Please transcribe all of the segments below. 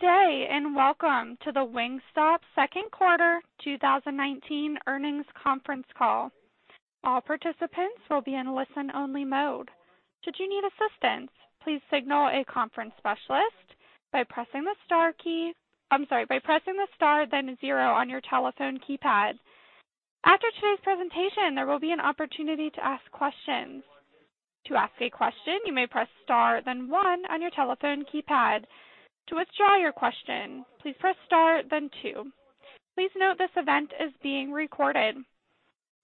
Good day, welcome to the Wingstop second quarter 2019 earnings conference call. All participants will be in listen-only mode. Should you need assistance, please signal a conference specialist by pressing the star then zero on your telephone keypad. After today's presentation, there will be an opportunity to ask questions. To ask a question, you may press star then one on your telephone keypad. To withdraw your question, please press star then two. Please note this event is being recorded.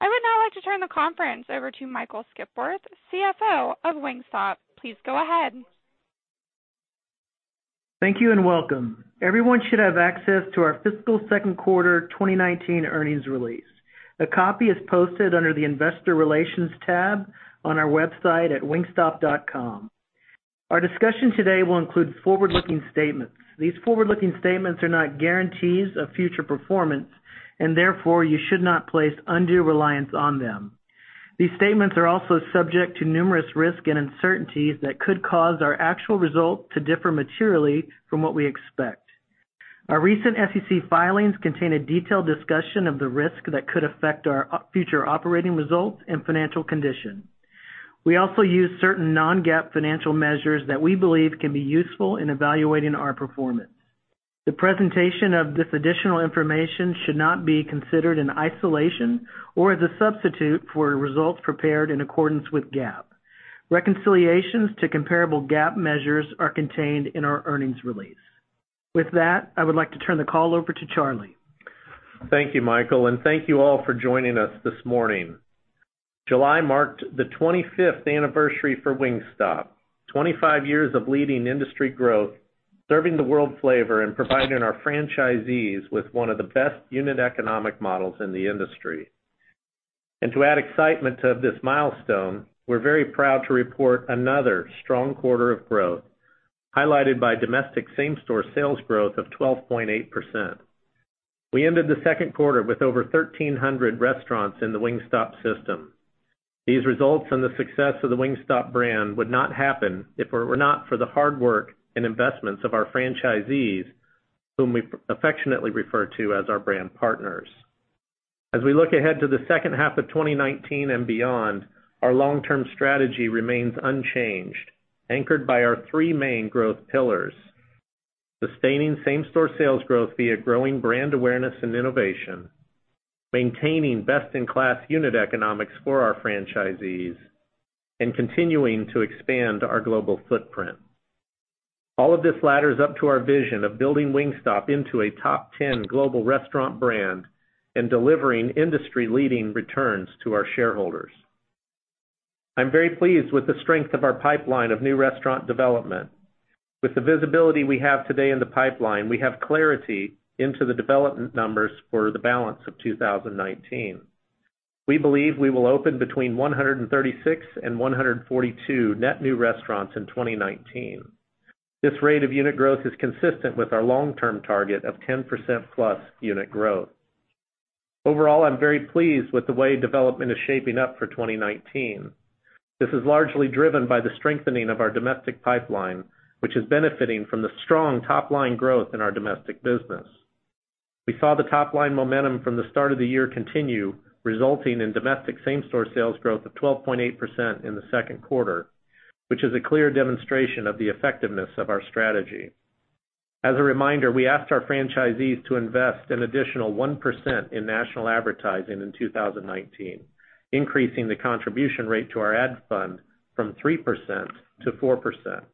I would now like to turn the conference over to Michael Skipworth, CFO of Wingstop. Please go ahead. Thank you, and welcome. Everyone should have access to our fiscal second quarter 2019 earnings release. A copy is posted under the investor relations tab on our website at wingstop.com. Our discussion today will include forward-looking statements. These forward-looking statements are not guarantees of future performance, and therefore, you should not place undue reliance on them. These statements are also subject to numerous risks and uncertainties that could cause our actual results to differ materially from what we expect. Our recent SEC filings contain a detailed discussion of the risks that could affect our future operating results and financial condition. We also use certain non-GAAP financial measures that we believe can be useful in evaluating our performance. The presentation of this additional information should not be considered in isolation or as a substitute for results prepared in accordance with GAAP. Reconciliations to comparable GAAP measures are contained in our earnings release. With that, I would like to turn the call over to Charlie. Thank you, Michael. Thank you all for joining us this morning. July marked the 25th anniversary for Wingstop. 25 years of leading industry growth, serving the world flavor, providing our franchisees with one of the best unit economic models in the industry. To add excitement to this milestone, we're very proud to report another strong quarter of growth, highlighted by domestic same-store sales growth of 12.8%. We ended the second quarter with over 1,300 restaurants in the Wingstop system. These results and the success of the Wingstop brand would not happen if it were not for the hard work and investments of our franchisees, whom we affectionately refer to as our brand partners. As we look ahead to the second half of 2019 and beyond, our long-term strategy remains unchanged, anchored by our three main growth pillars: sustaining same-store sales growth via growing brand awareness and innovation, maintaining best-in-class unit economics for our franchisees, and continuing to expand our global footprint. All of this ladders up to our vision of building Wingstop into a top 10 global restaurant brand and delivering industry-leading returns to our shareholders. I'm very pleased with the strength of our pipeline of new restaurant development. With the visibility we have today in the pipeline, we have clarity into the development numbers for the balance of 2019. We believe we will open between 136 and 142 net new restaurants in 2019. This rate of unit growth is consistent with our long-term target of 10%+ unit growth. Overall, I'm very pleased with the way development is shaping up for 2019. This is largely driven by the strengthening of our domestic pipeline, which is benefiting from the strong top-line growth in our domestic business. We saw the top-line momentum from the start of the year continue, resulting in domestic same-store sales growth of 12.8% in the second quarter, which is a clear demonstration of the effectiveness of our strategy. As a reminder, we asked our franchisees to invest an additional 1% in national advertising in 2019, increasing the contribution rate to our ad fund from 3% to 4%.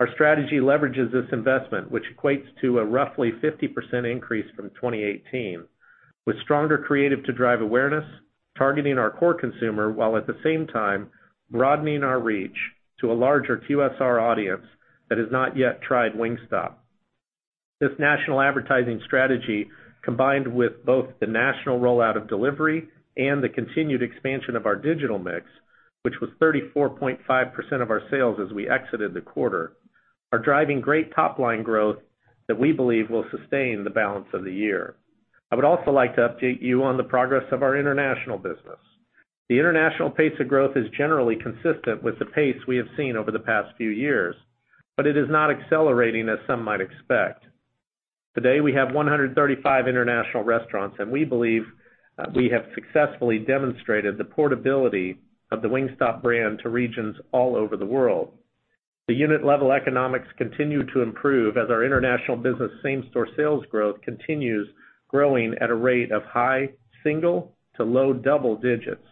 Our strategy leverages this investment, which equates to a roughly 50% increase from 2018, with stronger creative to drive awareness, targeting our core consumer, while at the same time broadening our reach to a larger QSR audience that has not yet tried Wingstop. This national advertising strategy, combined with both the national rollout of delivery and the continued expansion of our digital mix, which was 34.5% of our sales as we exited the quarter, are driving great top-line growth that we believe will sustain the balance of the year. I would also like to update you on the progress of our international business. The international pace of growth is generally consistent with the pace we have seen over the past few years, but it is not accelerating as some might expect. Today, we have 135 international restaurants, and we believe we have successfully demonstrated the portability of the Wingstop brand to regions all over the world. The unit-level economics continue to improve as our international business same-store sales growth continues growing at a rate of high single to low double digits.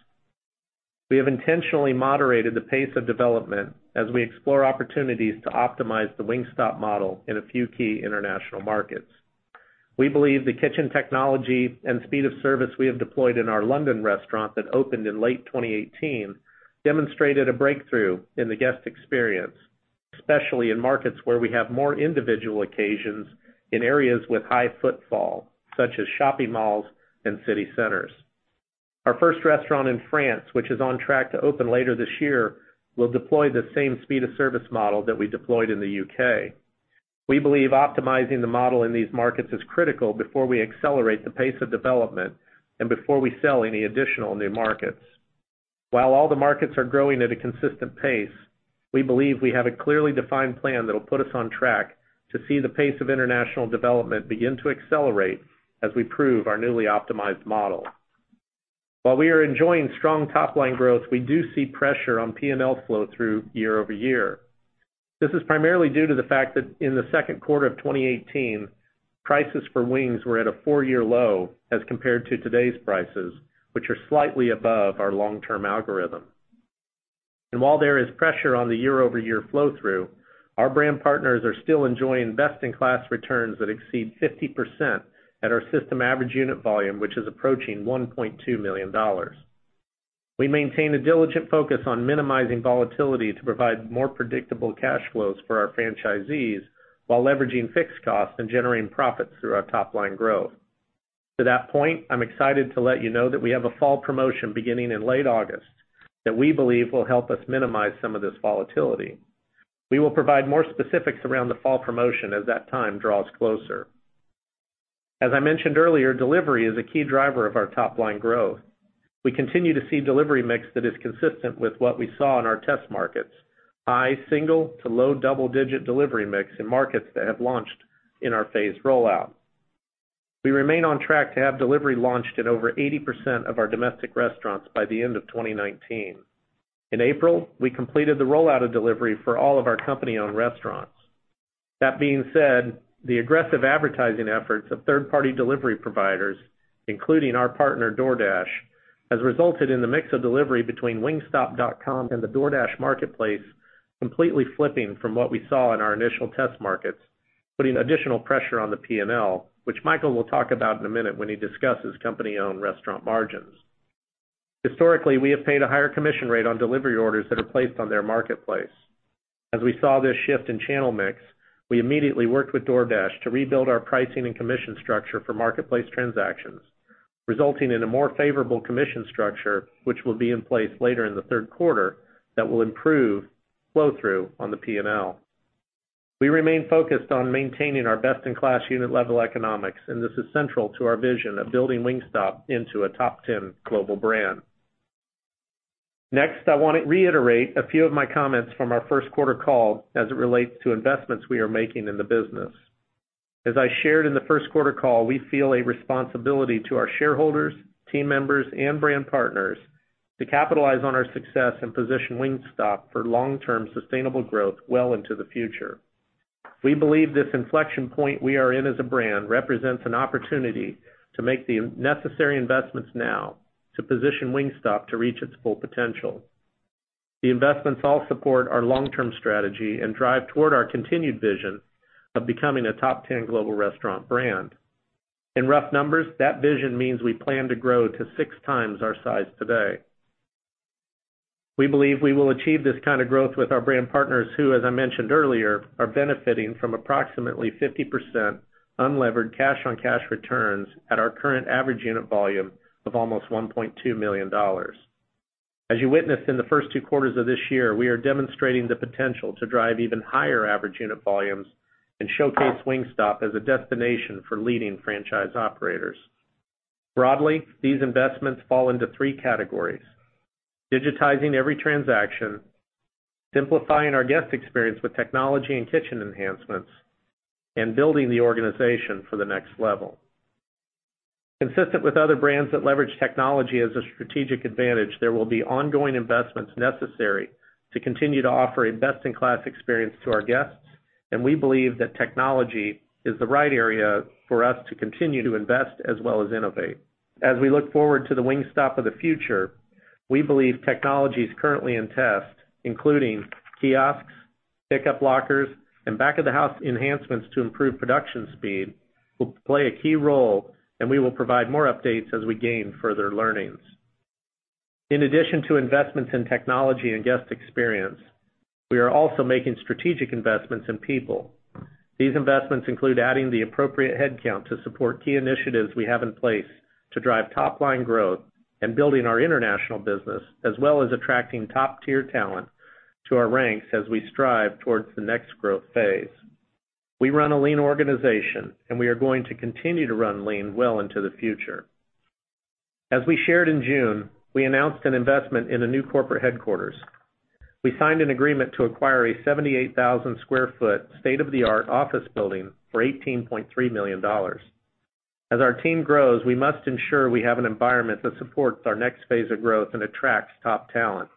We have intentionally moderated the pace of development as we explore opportunities to optimize the Wingstop model in a few key international markets. We believe the kitchen technology and speed of service we have deployed in our London restaurant that opened in late 2018 demonstrated a breakthrough in the guest experience, especially in markets where we have more individual occasions in areas with high footfall, such as shopping malls and city centers. Our first restaurant in France, which is on track to open later this year, will deploy the same speed of service model that we deployed in the U.K. We believe optimizing the model in these markets is critical before we accelerate the pace of development and before we sell any additional new markets. While all the markets are growing at a consistent pace, we believe we have a clearly defined plan that will put us on track to see the pace of international development begin to accelerate as we prove our newly optimized model. While we are enjoying strong top-line growth, we do see pressure on P&L flow through year-over-year. This is primarily due to the fact that in the second quarter of 2018, prices for wings were at a four-year low as compared to today's prices, which are slightly above our long-term algorithm. While there is pressure on the year-over-year flow through, our brand partners are still enjoying best-in-class returns that exceed 50% at our system average unit volume, which is approaching $1.2 million. We maintain a diligent focus on minimizing volatility to provide more predictable cash flows for our franchisees while leveraging fixed costs and generating profits through our top-line growth. To that point, I'm excited to let you know that we have a fall promotion beginning in late August that we believe will help us minimize some of this volatility. We will provide more specifics around the fall promotion as that time draws closer. As I mentioned earlier, delivery is a key driver of our top-line growth. We continue to see delivery mix that is consistent with what we saw in our test markets, high single to low double-digit delivery mix in markets that have launched in our phased rollout. We remain on track to have delivery launched in over 80% of our domestic restaurants by the end of 2019. In April, we completed the rollout of delivery for all of our company-owned restaurants. That being said, the aggressive advertising efforts of third-party delivery providers, including our partner DoorDash, has resulted in the mix of delivery between wingstop.com and the DoorDash marketplace completely flipping from what we saw in our initial test markets, putting additional pressure on the P&L, which Michael will talk about in a minute when he discusses company-owned restaurant margins. Historically, we have paid a higher commission rate on delivery orders that are placed on their marketplace. As we saw this shift in channel mix, we immediately worked with DoorDash to rebuild our pricing and commission structure for marketplace transactions, resulting in a more favorable commission structure, which will be in place later in the third quarter that will improve flow through on the P&L. We remain focused on maintaining our best-in-class unit-level economics, and this is central to our vision of building Wingstop into a top 10 global brand. Next, I want to reiterate a few of my comments from our first quarter call as it relates to investments we are making in the business. As I shared in the first quarter call, we feel a responsibility to our shareholders, team members, and brand partners to capitalize on our success and position Wingstop for long-term sustainable growth well into the future. We believe this inflection point we are in as a brand represents an opportunity to make the necessary investments now to position Wingstop to reach its full potential. The investments all support our long-term strategy and drive toward our continued vision of becoming a top 10 global restaurant brand. In rough numbers, that vision means we plan to grow to six times our size today. We believe we will achieve this kind of growth with our brand partners who, as I mentioned earlier, are benefiting from approximately 50% unlevered cash-on-cash returns at our current average unit volume of almost $1.2 million. As you witnessed in the first two quarters of this year, we are demonstrating the potential to drive even higher average unit volumes and showcase Wingstop as a destination for leading franchise operators. Broadly, these investments fall into 3 categories: digitizing every transaction, simplifying our guest experience with technology and kitchen enhancements, and building the organization for the next level. Consistent with other brands that leverage technology as a strategic advantage, there will be ongoing investments necessary to continue to offer a best-in-class experience to our guests, and we believe that technology is the right area for us to continue to invest as well as innovate. As we look forward to the Wingstop of the future, we believe technologies currently in test, including kiosks, pickup lockers, and back-of-the-house enhancements to improve production speed will play a key role, and we will provide more updates as we gain further learnings. In addition to investments in technology and guest experience, we are also making strategic investments in people. These investments include adding the appropriate headcount to support key initiatives we have in place to drive top-line growth and building our international business, as well as attracting top-tier talent to our ranks as we strive towards the next growth phase. We run a lean organization, and we are going to continue to run lean well into the future. As we shared in June, we announced an investment in a new corporate headquarters. We signed an agreement to acquire a 78,000 square foot state-of-the-art office building for $18.3 million. As our team grows, we must ensure we have an environment that supports our next phase of growth and attracts top talent.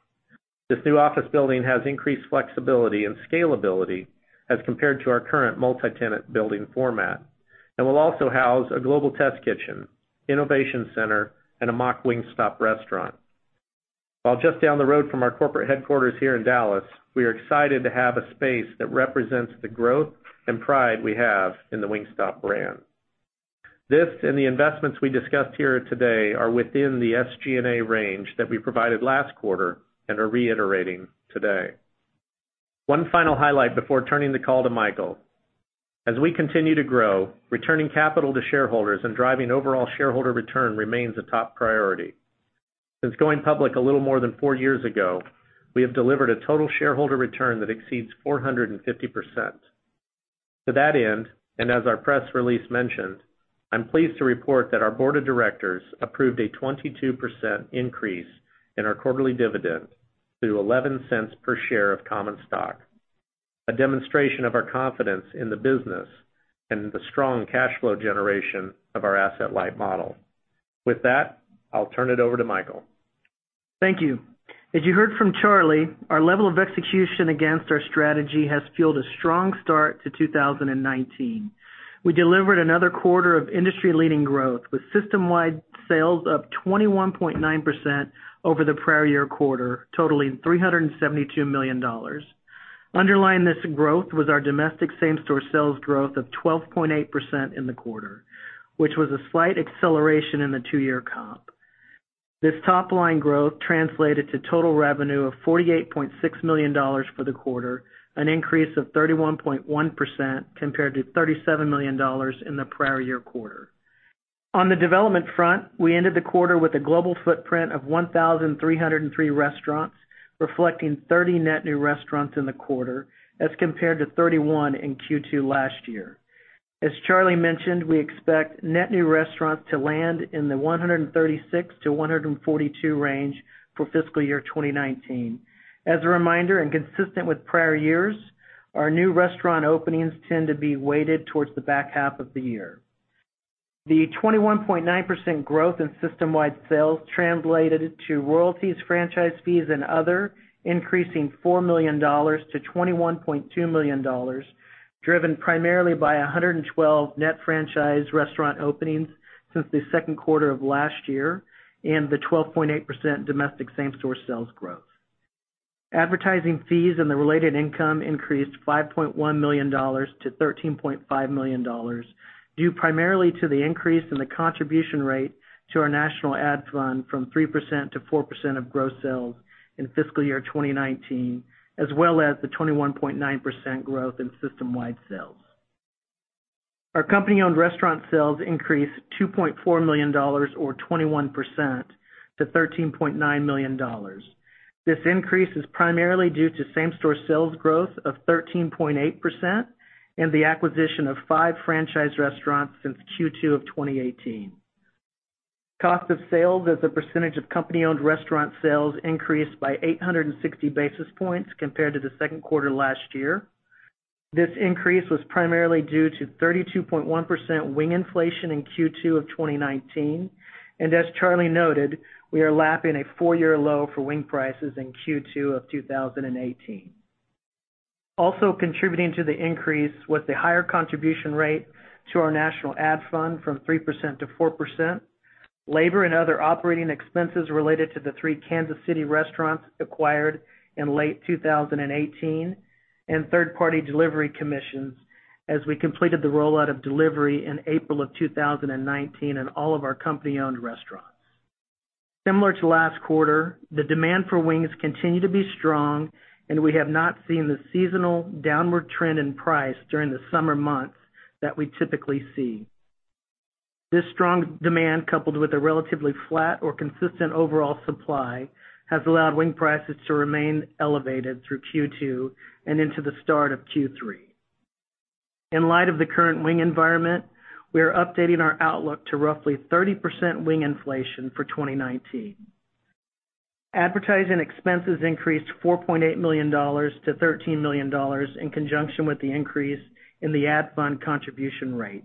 This new office building has increased flexibility and scalability as compared to our current multi-tenant building format, and will also house a global test kitchen, innovation center, and a mock Wingstop restaurant. While just down the road from our corporate headquarters here in Dallas, we are excited to have a space that represents the growth and pride we have in the Wingstop brand. This and the investments we discussed here today are within the SG&A range that we provided last quarter and are reiterating today. One final highlight before turning the call to Michael. As we continue to grow, returning capital to shareholders and driving overall shareholder return remains a top priority. Since going public a little more than four years ago, we have delivered a total shareholder return that exceeds 450%. To that end, and as our press release mentioned, I'm pleased to report that our board of directors approved a 22% increase in our quarterly dividend to $0.11 per share of common stock, a demonstration of our confidence in the business and the strong cash flow generation of our asset light model. With that, I'll turn it over to Michael. Thank you. As you heard from Charlie, our level of execution against our strategy has fueled a strong start to 2019. We delivered another quarter of industry-leading growth, with system-wide sales up 21.9% over the prior year quarter, totaling $372 million. Underlying this growth was our domestic same-store sales growth of 12.8% in the quarter, which was a slight acceleration in the two-year comp. This top-line growth translated to total revenue of $48.6 million for the quarter, an increase of 31.1% compared to $37 million in the prior year quarter. On the development front, we ended the quarter with a global footprint of 1,303 restaurants, reflecting 30 net new restaurants in the quarter as compared to 31 in Q2 last year. As Charlie mentioned, we expect net new restaurants to land in the 136 to 142 range for fiscal year 2019. As a reminder, and consistent with prior years, our new restaurant openings tend to be weighted towards the back half of the year. The 21.9% growth in system-wide sales translated to royalties, franchise fees and other increasing $4 million to $21.2 million, driven primarily by 112 net franchise restaurant openings since the second quarter of last year and the 12.8% domestic same-store sales growth. Advertising fees and the related income increased $5.1 million to $13.5 million, due primarily to the increase in the contribution rate to our national ad fund from 3% to 4% of gross sales in fiscal year 2019, as well as the 21.9% growth in system-wide sales. Our company-owned restaurant sales increased $2.4 million, or 21%, to $13.9 million. This increase is primarily due to same-store sales growth of 13.8% and the acquisition of five franchise restaurants since Q2 of 2018. Cost of sales as a percentage of company-owned restaurant sales increased by 860 basis points compared to the second quarter last year. This increase was primarily due to 32.1% wing inflation in Q2 of 2019, and as Charlie noted, we are lapping a four-year low for wing prices in Q2 of 2018. Also contributing to the increase was the higher contribution rate to our national ad fund from 3% to 4%, labor and other operating expenses related to the three Kansas City restaurants acquired in late 2018, and third-party delivery commissions as we completed the rollout of delivery in April of 2019 in all of our company-owned restaurants. Similar to last quarter, the demand for wings continue to be strong, and we have not seen the seasonal downward trend in price during the summer months that we typically see. This strong demand, coupled with a relatively flat or consistent overall supply, has allowed wing prices to remain elevated through Q2 and into the start of Q3. In light of the current wing environment, we are updating our outlook to roughly 30% wing inflation for 2019. Advertising expenses increased $4.8 million to $13 million in conjunction with the increase in the ad fund contribution rate.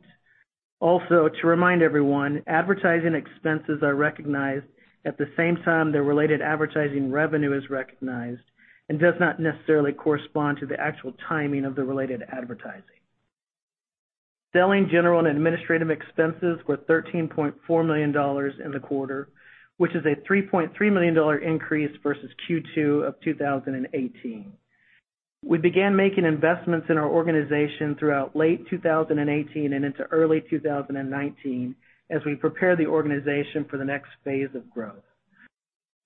To remind everyone, advertising expenses are recognized at the same time their related advertising revenue is recognized and does not necessarily correspond to the actual timing of the related advertising. Selling, general, and administrative expenses were $13.4 million in the quarter, which is a $3.3 million increase versus Q2 of 2018. We began making investments in our organization throughout late 2018 and into early 2019 as we prepare the organization for the next phase of growth.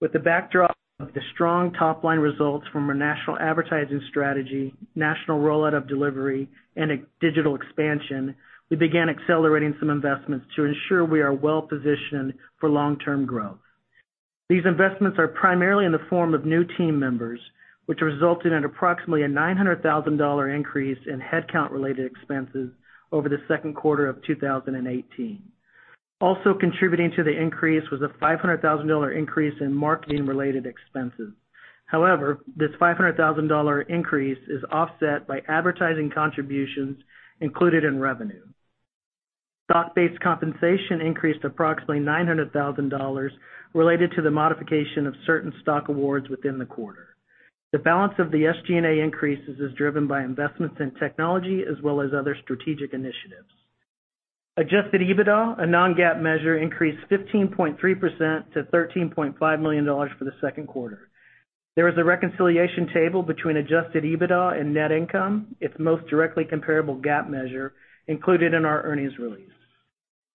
With the backdrop of the strong top-line results from our national advertising strategy, national rollout of delivery, and digital expansion, we began accelerating some investments to ensure we are well-positioned for long-term growth. These investments are primarily in the form of new team members, which resulted in approximately a $900,000 increase in headcount-related expenses over the second quarter of 2018. Also contributing to the increase was a $500,000 increase in marketing-related expenses. However, this $500,000 increase is offset by advertising contributions included in revenue. Stock-based compensation increased approximately $900,000 related to the modification of certain stock awards within the quarter. The balance of the SG&A increases is driven by investments in technology as well as other strategic initiatives. Adjusted EBITDA, a non-GAAP measure, increased 15.3% to $13.5 million for the second quarter. There is a reconciliation table between adjusted EBITDA and net income, its most directly comparable GAAP measure, included in our earnings release.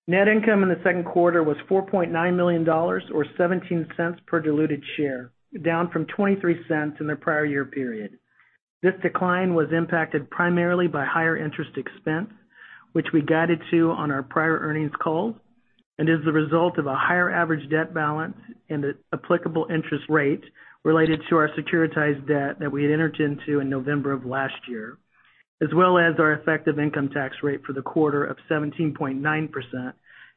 Net income in the second quarter was $4.9 million, or $0.17 per diluted share, down from $0.23 in the prior year period. This decline was impacted primarily by higher interest expense, which we guided to on our prior earnings call, and is the result of a higher average debt balance and applicable interest rate related to our securitized debt that we had entered into in November of last year, as well as our effective income tax rate for the quarter of 17.9%,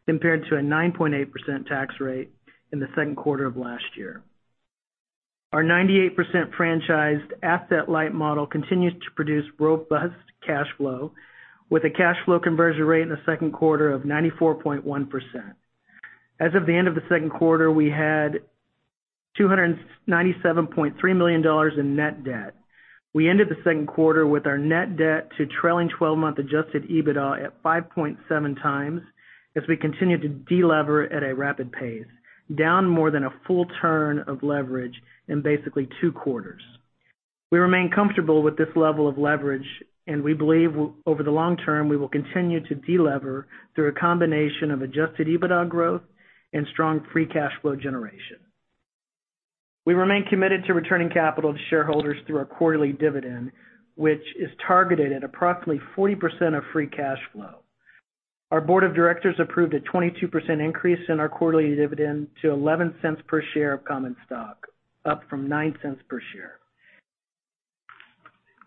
compared to a 9.8% tax rate in the second quarter of last year. Our 98% franchised asset-light model continues to produce robust cash flow, with a cash flow conversion rate in the second quarter of 94.1%. As of the end of the second quarter, we had $297.3 million in net debt. We ended the second quarter with our net debt to trailing 12-month adjusted EBITDA at 5.7 times, as we continue to de-lever at a rapid pace, down more than a full turn of leverage in basically two quarters. We remain comfortable with this level of leverage, and we believe over the long term, we will continue to de-lever through a combination of adjusted EBITDA growth and strong free cash flow generation. We remain committed to returning capital to shareholders through our quarterly dividend, which is targeted at approximately 40% of free cash flow. Our board of directors approved a 22% increase in our quarterly dividend to $0.11 per share of common stock, up from $0.09 per share.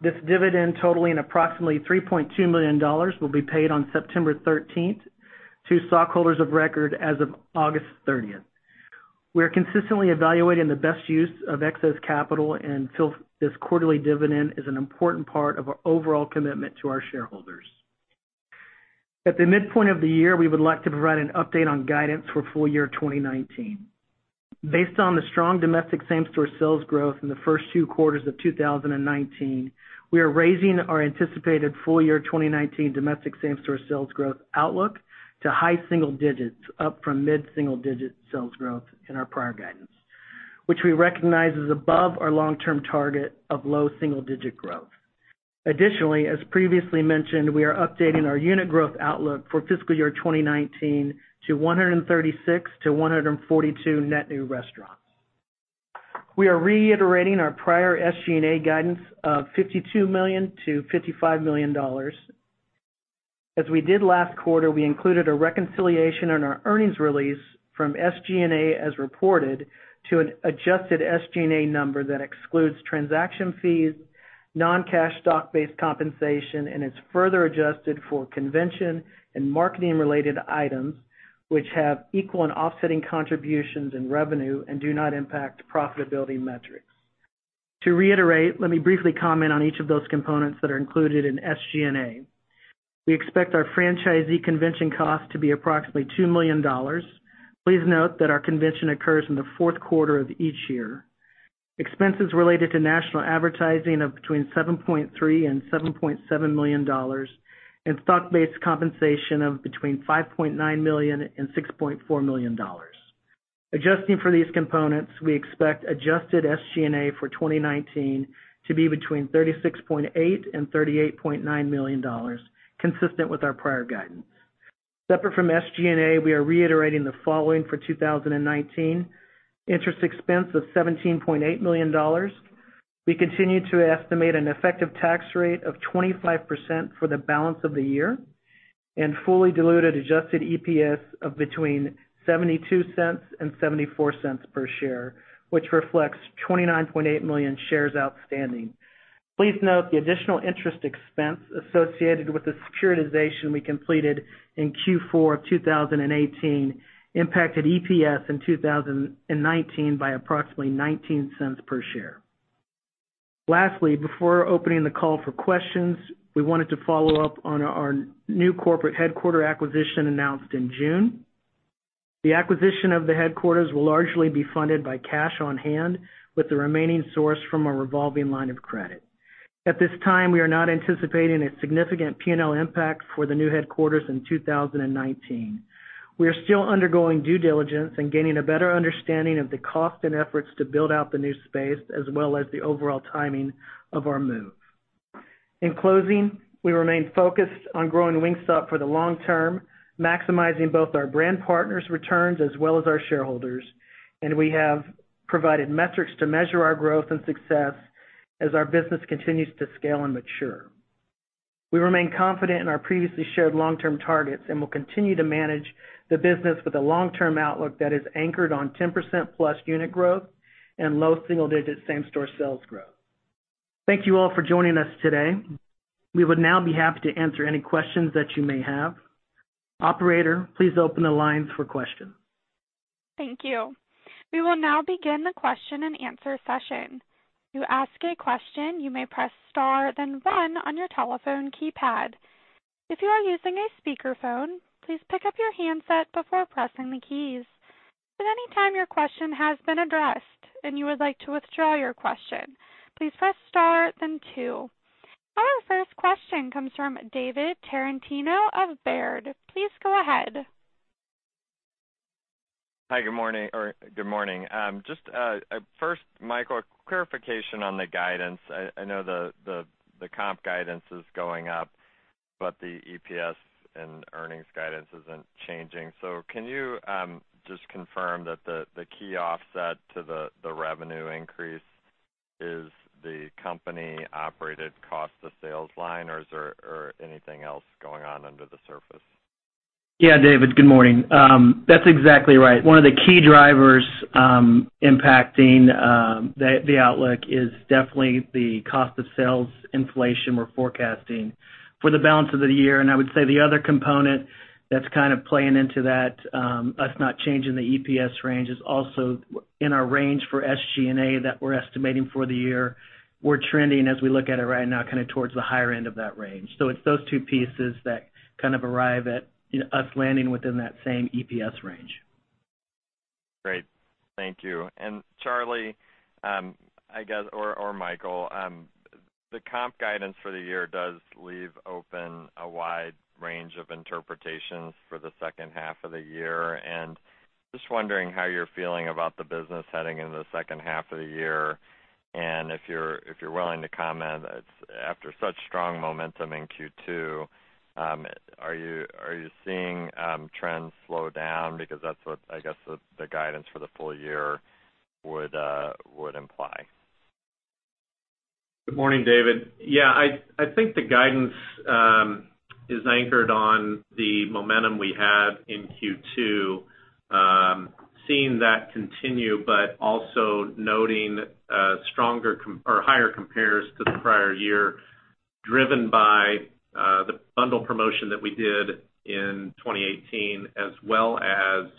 This dividend totaling approximately $3.2 million will be paid on September 13th to stockholders of record as of August 30th. We are consistently evaluating the best use of excess capital, and feel this quarterly dividend is an important part of our overall commitment to our shareholders. At the midpoint of the year, we would like to provide an update on guidance for full year 2019. Based on the strong domestic same-store sales growth in the first two quarters of 2019, we are raising our anticipated full year 2019 domestic same-store sales growth outlook to high single digits, up from mid single digit sales growth in our prior guidance, which we recognize is above our long-term target of low single digit growth. Additionally, as previously mentioned, we are updating our unit growth outlook for fiscal year 2019 to 136 to 142 net new restaurants. We are reiterating our prior SG&A guidance of $52 million-$55 million. As we did last quarter, we included a reconciliation on our earnings release from SG&A as reported to an adjusted SG&A number that excludes transaction fees, non-cash stock-based compensation, and is further adjusted for convention and marketing related items, which have equal and offsetting contributions in revenue and do not impact profitability metrics. To reiterate, let me briefly comment on each of those components that are included in SG&A. We expect our franchisee convention cost to be approximately $2 million. Please note that our convention occurs in the fourth quarter of each year. Expenses related to national advertising of between $7.3 million and $7.7 million, and stock-based compensation of between $5.9 million and $6.4 million. Adjusting for these components, we expect adjusted SG&A for 2019 to be between $36.8 million and $38.9 million, consistent with our prior guidance. Separate from SG&A, we are reiterating the following for 2019. Interest expense of $17.8 million. We continue to estimate an effective tax rate of 25% for the balance of the year, and fully diluted adjusted EPS of between $0.72 and $0.74 per share, which reflects 29.8 million shares outstanding. Please note the additional interest expense associated with the securitization we completed in Q4 of 2018 impacted EPS in 2019 by approximately $0.19 per share. Lastly, before opening the call for questions, we wanted to follow up on our new corporate headquarter acquisition announced in June. The acquisition of the headquarters will largely be funded by cash on hand, with the remaining sourced from a revolving line of credit. At this time, we are not anticipating a significant P&L impact for the new headquarters in 2019. We are still undergoing due diligence and gaining a better understanding of the cost and efforts to build out the new space, as well as the overall timing of our move. In closing, we remain focused on growing Wingstop for the long term, maximizing both our brand partners' returns as well as our shareholders', and we have provided metrics to measure our growth and success as our business continues to scale and mature. We remain confident in our previously shared long-term targets and will continue to manage the business with a long-term outlook that is anchored on 10% plus unit growth and low single-digit same-store sales growth. Thank you all for joining us today. We would now be happy to answer any questions that you may have. Operator, please open the lines for questions. Thank you. We will now begin the question and answer session. To ask a question, you may press star then one on your telephone keypad. If you are using a speakerphone, please pick up your handset before pressing the keys. If at any time your question has been addressed and you would like to withdraw your question, please press star then two. Our first question comes from David Tarantino of Baird. Please go ahead. Hi, good morning. Just first, Michael, a clarification on the guidance. I know the comp guidance is going up, but the EPS and earnings guidance isn't changing. Can you just confirm that the key offset to the revenue increase is the company-operated cost of sales line or is there anything else going on under the surface? Yeah, David, good morning. That's exactly right. One of the key drivers impacting the outlook is definitely the cost of sales inflation we're forecasting for the balance of the year. I would say the other component that's playing into that, us not changing the EPS range is also in our range for SG&A that we're estimating for the year. We're trending as we look at it right now, towards the higher end of that range. It's those two pieces that arrive at us landing within that same EPS range. Great. Thank you. Charlie, I guess, or Michael, the comp guidance for the year does leave open a wide range of interpretations for the second half of the year. Just wondering how you're feeling about the business heading into the second half of the year. If you're willing to comment, after such strong momentum in Q2, are you seeing trends slow down? Because that's what I guess, the guidance for the full year would imply. Good morning, David. Yeah, I think the guidance is anchored on the momentum we had in Q2, seeing that continue, but also noting higher compares to the prior year, driven by the bundle promotion that we did in 2018, as well as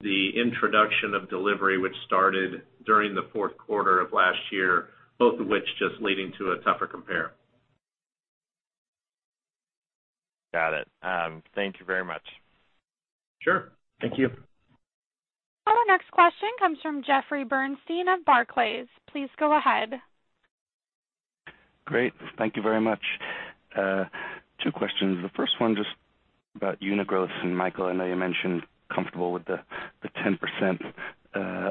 the introduction of delivery which started during the fourth quarter of last year, both of which just leading to a tougher compare. Got it. Thank you very much. Sure. Thank you. Our next question comes from Jeffrey Bernstein of Barclays. Please go ahead. Great. Thank you very much. Two questions. The first one just about unit growth. Michael, I know you mentioned comfortable with the 10%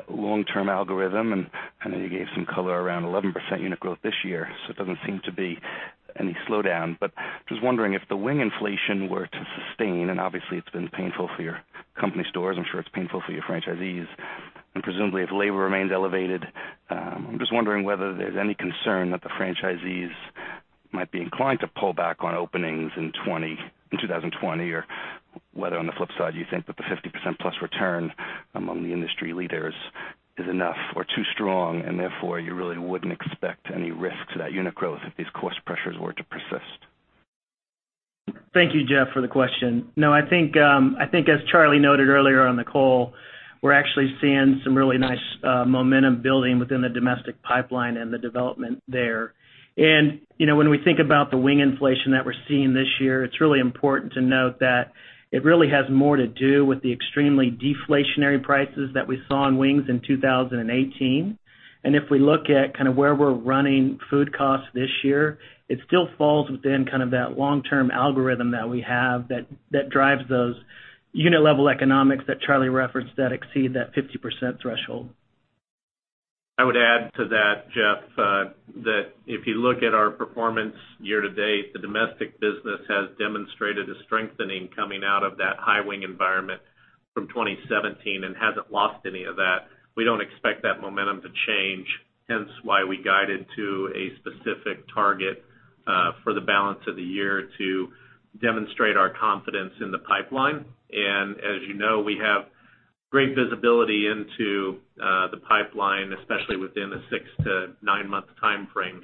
long-term algorithm, and I know you gave some color around 11% unit growth this year, so it doesn't seem to be any slowdown. Just wondering if the wing inflation were to sustain, and obviously it's been painful for your company stores, I'm sure it's painful for your franchisees. Presumably if labor remains elevated, I'm just wondering whether there's any concern that the franchisees might be inclined to pull back on openings in 2020 or whether on the flip side, you think that the 50% plus return among the industry leaders is enough or too strong, and therefore you really wouldn't expect any risk to that unit growth if these cost pressures were to persist. Thank you, Jeff, for the question. No, I think as Charlie noted earlier on the call, we're actually seeing some really nice momentum building within the domestic pipeline and the development there. When we think about the wing inflation that we're seeing this year, it's really important to note that it really has more to do with the extremely deflationary prices that we saw in wings in 2018. If we look at where we're running food costs this year, it still falls within that long-term algorithm that we have that drives those unit level economics that Charlie referenced that exceed that 50% threshold. I would add to that, Jeff, that if you look at our performance year to date, the domestic business has demonstrated a strengthening coming out of that high wing environment from 2017 and hasn't lost any of that. We don't expect that momentum to change, hence why we guided to a specific target for the balance of the year to demonstrate our confidence in the pipeline. As you know, we have great visibility into the pipeline, especially within the six to nine-month time frame.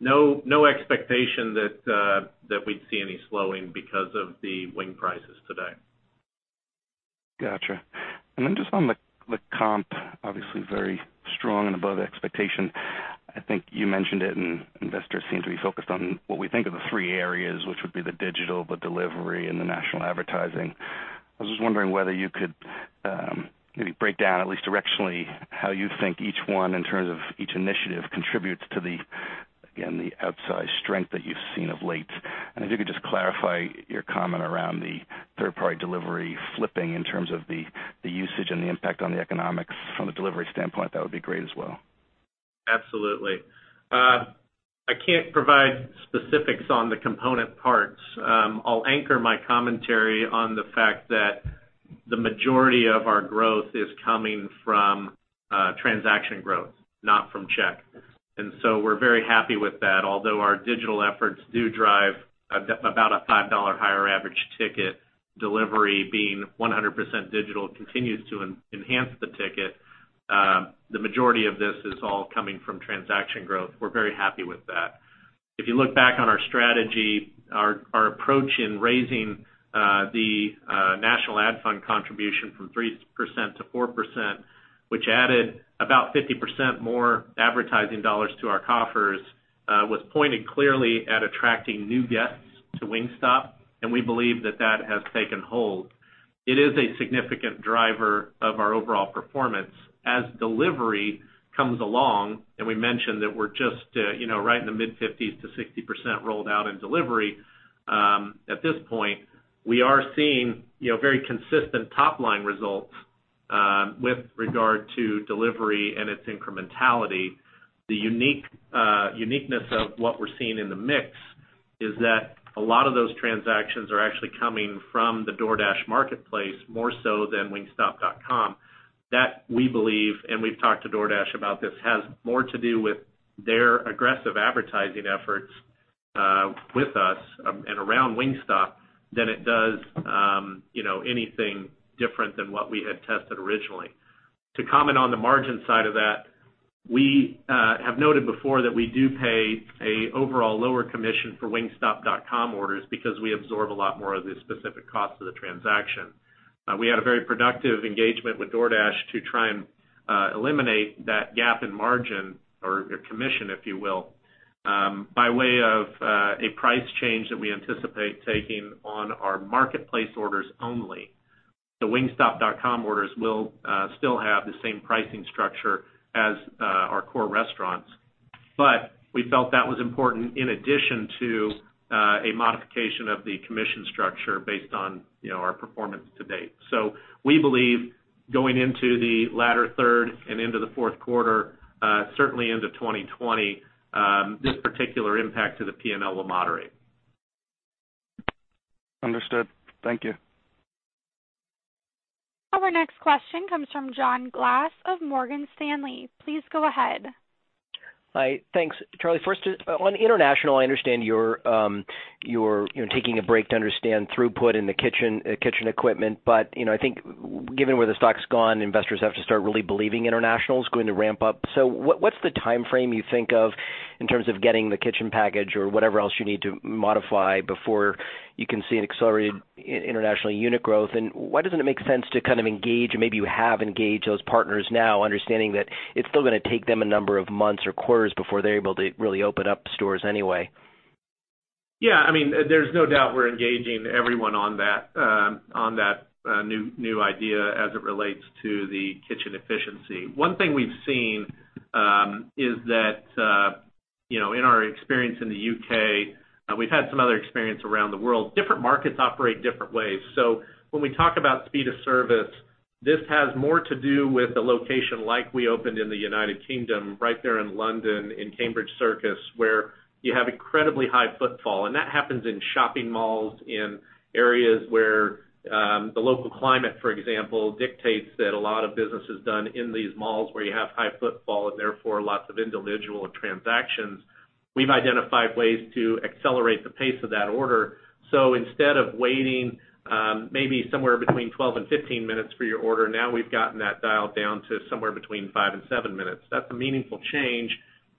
No expectation that we'd see any slowing because of the wing prices today. Got you. Just on the comp, obviously very strong and above expectation. I think you mentioned it, and investors seem to be focused on what we think are the three areas, which would be the digital, the delivery, and the national advertising. I was just wondering whether you could maybe break down at least directionally, how you think each one in terms of each initiative contributes to the, again, the outsize strength that you've seen of late. If you could just clarify your comment around the third-party delivery flipping in terms of the usage and the impact on the economics from a delivery standpoint, that would be great as well. Absolutely. I can't provide specifics on the component parts. I'll anchor my commentary on the fact that the majority of our growth is coming from transaction growth, not from check. We're very happy with that. Although our digital efforts do drive about a $5 higher average ticket, delivery being 100% digital continues to enhance the ticket. The majority of this is all coming from transaction growth. We're very happy with that. If you look back on our strategy, our approach in raising the national ad fund contribution from 3%-4%, which added about 50% more advertising dollars to our coffers, was pointed clearly at attracting new guests to Wingstop, and we believe that that has taken hold. It is a significant driver of our overall performance. As delivery comes along, and we mentioned that we're just right in the mid 50s-60% rolled out in delivery. At this point, we are seeing very consistent top-line results with regard to delivery and its incrementality. The uniqueness of what we're seeing in the mix is that a lot of those transactions are actually coming from the DoorDash marketplace more so than wingstop.com. That, we believe, and we've talked to DoorDash about this, has more to do with their aggressive advertising efforts with us and around Wingstop than it does anything different than what we had tested originally. To comment on the margin side of that, we have noted before that we do pay an overall lower commission for wingstop.com orders because we absorb a lot more of the specific cost of the transaction. We had a very productive engagement with DoorDash to try and eliminate that gap in margin or commission, if you will, by way of a price change that we anticipate taking on our marketplace orders only. The wingstop.com orders will still have the same pricing structure as our core restaurants. We felt that was important in addition to a modification of the commission structure based on our performance to date. We believe going into the latter third and into the fourth quarter, certainly into 2020, this particular impact to the P&L will moderate. Understood. Thank you. Our next question comes from John Glass of Morgan Stanley. Please go ahead. Hi. Thanks, Charlie. First, on international, I understand you're taking a break to understand throughput in the kitchen equipment. I think given where the stock's gone, investors have to start really believing international's going to ramp up. What's the timeframe you think of in terms of getting the kitchen package or whatever else you need to modify before you can see an accelerated international unit growth? Why doesn't it make sense to engage, or maybe you have engaged those partners now, understanding that it's still going to take them a number of months or quarters before they're able to really open up stores anyway? Yeah, there's no doubt we're engaging everyone on that new idea as it relates to the kitchen efficiency. One thing we've seen is that in our experience in the U.K., we've had some other experience around the world, different markets operate different ways. When we talk about speed of service, this has more to do with a location like we opened in the United Kingdom, right there in London, in Cambridge Circus, where you have incredibly high footfall. That happens in shopping malls, in areas where the local climate, for example, dictates that a lot of business is done in these malls where you have high footfall and therefore lots of individual transactions. We've identified ways to accelerate the pace of that order. Instead of waiting maybe somewhere between 12 and 15 minutes for your order, now we've gotten that dialed down to somewhere between five and seven minutes. That's a meaningful change,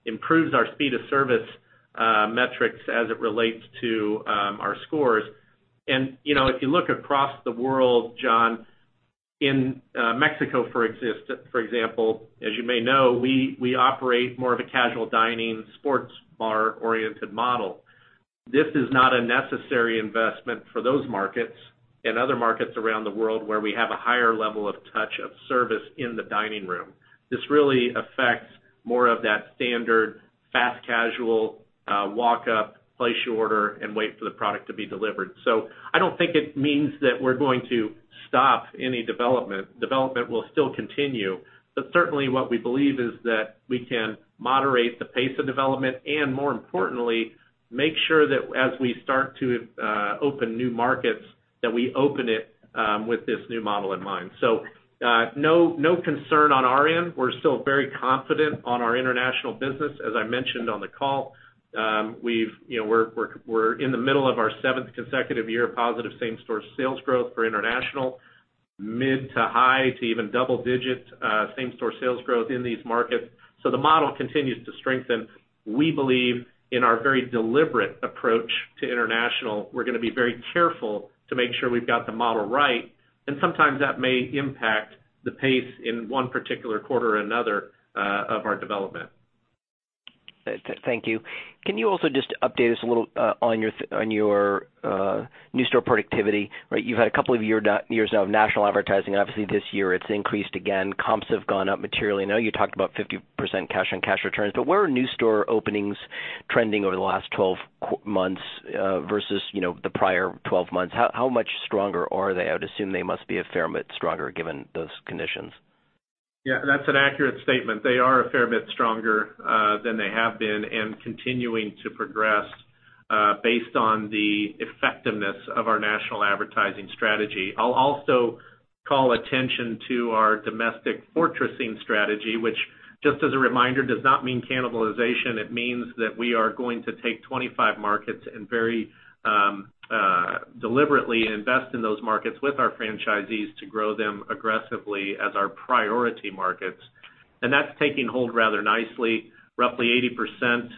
improves our speed of service metrics as it relates to our scores. If you look across the world, John, in Mexico, for example, as you may know, we operate more of a casual dining sports bar-oriented model. This is not a necessary investment for those markets and other markets around the world where we have a higher level of touch of service in the dining room. This really affects more of that standard fast casual walk up, place your order, and wait for the product to be delivered. I don't think it means that we're going to stop any development. Development will still continue. Certainly what we believe is that we can moderate the pace of development and, more importantly, make sure that as we start to open new markets, that we open it with this new model in mind. No concern on our end. We're still very confident in our international business. As I mentioned on the call, we're in the middle of our seventh consecutive year of positive same-store sales growth for international. Mid to high to even double-digit same-store sales growth in these markets. The model continues to strengthen. We believe in our very deliberate approach to international. We're going to be very careful to make sure we've got the model right, and sometimes that may impact the pace in one particular quarter or another of our development. Thank you. Can you also just update us a little on your new store productivity? You've had a couple of years now of national advertising. Obviously, this year it's increased again. Comps have gone up materially. I know you talked about 50% cash on cash returns, but where are new store openings trending over the last 12 months versus the prior 12 months? How much stronger are they? I would assume they must be a fair bit stronger given those conditions. Yeah, that's an accurate statement. They are a fair bit stronger than they have been and continuing to progress based on the effectiveness of our national advertising strategy. I'll also call attention to our domestic fortressing strategy, which just as a reminder, does not mean cannibalization. It means that we are going to take 25 markets and very deliberately invest in those markets with our franchisees to grow them aggressively as our priority markets. That's taking hold rather nicely. Roughly 80%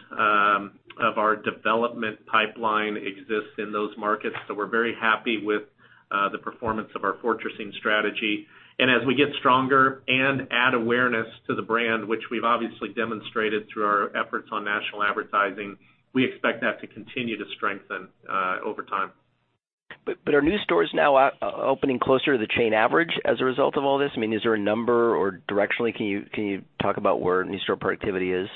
of our development pipeline exists in those markets. We're very happy with the performance of our fortressing strategy. As we get stronger and add awareness to the brand, which we've obviously demonstrated through our efforts on national advertising, we expect that to continue to strengthen over time. Are new stores now opening closer to the chain average as a result of all this? Is there a number or directionally, can you talk about where new store productivity is?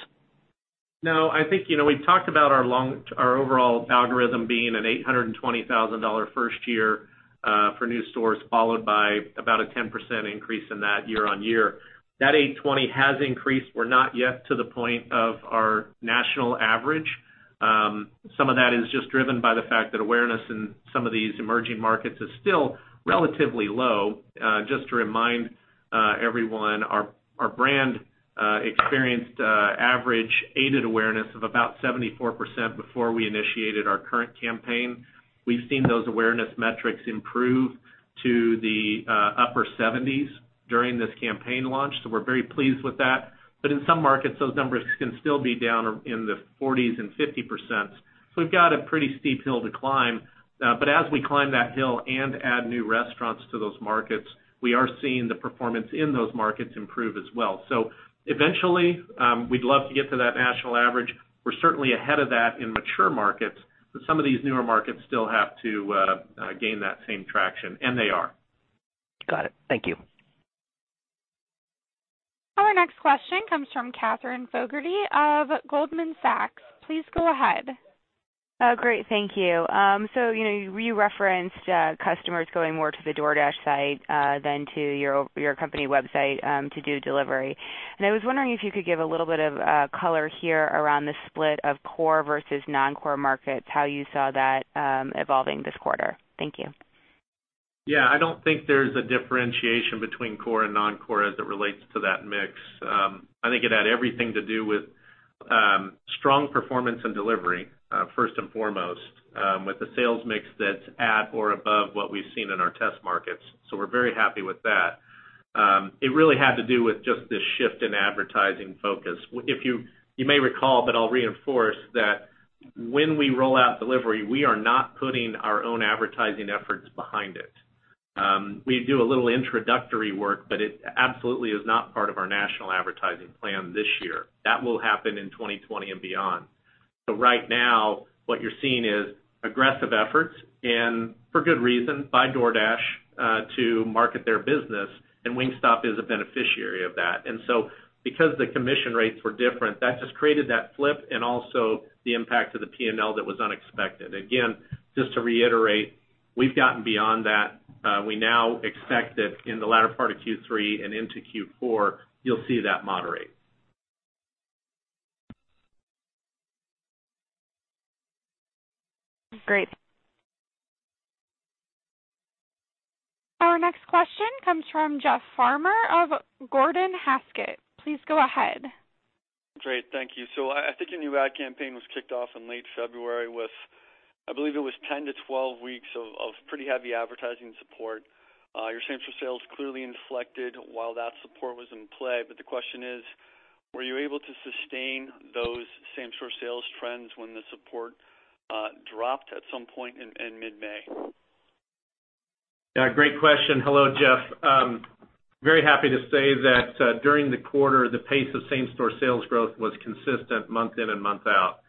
No, I think we talked about our overall algorithm being an $820,000 first year for new stores, followed by about a 10% increase in that year-on-year. That $820 has increased. We're not yet to the point of our national average. Some of that is just driven by the fact that awareness in some of these emerging markets is still relatively low. Just to remind everyone, our brand experienced average aided awareness of about 74% before we initiated our current campaign. We've seen those awareness metrics improve to the upper 70s during this campaign launch. We're very pleased with that. In some markets, those numbers can still be down in the 40s and 50%. We've got a pretty steep hill to climb. As we climb that hill and add new restaurants to those markets, we are seeing the performance in those markets improve as well. Eventually, we'd love to get to that national average. We're certainly ahead of that in mature markets, but some of these newer markets still have to gain that same traction, and they are. Got it. Thank you. Our next question comes from Katherine Fogerty of Goldman Sachs. Please go ahead. Great. Thank you. You referenced customers going more to the DoorDash site than to your company website to do delivery. I was wondering if you could give a little bit of color here around the split of core versus non-core markets, how you saw that evolving this quarter. Thank you. Yeah, I don't think there's a differentiation between core and non-core as it relates to that mix. I think it had everything to do with strong performance in delivery, first and foremost, with a sales mix that's at or above what we've seen in our test markets. We're very happy with that. It really had to do with just the shift in advertising focus. You may recall, but I'll reinforce that when we roll out delivery, we are not putting our own advertising efforts behind it. We do a little introductory work, but it absolutely is not part of our national advertising plan this year. That will happen in 2020 and beyond. Right now, what you're seeing is aggressive efforts, and for good reason, by DoorDash to market their business, and Wingstop is a beneficiary of that. Because the commission rates were different, that just created that flip and also the impact to the P&L that was unexpected. Again, just to reiterate, we've gotten beyond that. We now expect that in the latter part of Q3 and into Q4, you'll see that moderate. Great. Our next question comes from Jeff Farmer of Gordon Haskett. Please go ahead. Great, thank you. I think a new ad campaign was kicked off in late February with, I believe it was 10-12 weeks of pretty heavy advertising support. Your same-store sales clearly inflected while that support was in play. The question is: Were you able to sustain those same-store sales trends when the support dropped at some point in mid-May? Yeah, great question. Hello, Jeff. Very happy to say that during the quarter, the pace of same-store sales growth was consistent month in and month out.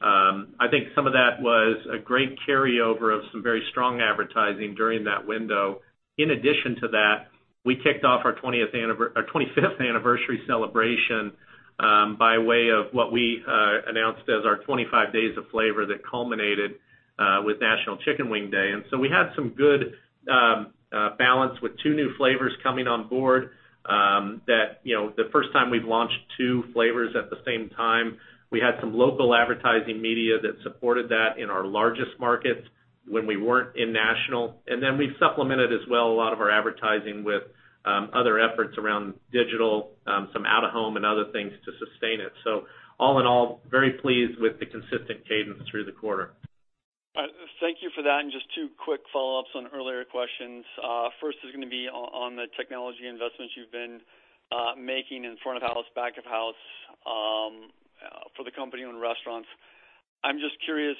I think some of that was a great carryover of some very strong advertising during that window. In addition to that, we kicked off our 25th anniversary celebration by way of what we announced as our 25 Days of Flavor that culminated with National Chicken Wing Day. We had some good balance with two new flavors coming on board. The first time we've launched two flavors at the same time. We had some local advertising media that supported that in our largest markets when we weren't in national. We've supplemented as well a lot of our advertising with other efforts around digital, some out of home and other things to sustain it. All in all, very pleased with the consistent cadence through the quarter. Thank you for that. Just two quick follow-ups on earlier questions. First is going to be on the technology investments you've been making in front of house, back of house for the company and restaurants. I'm just curious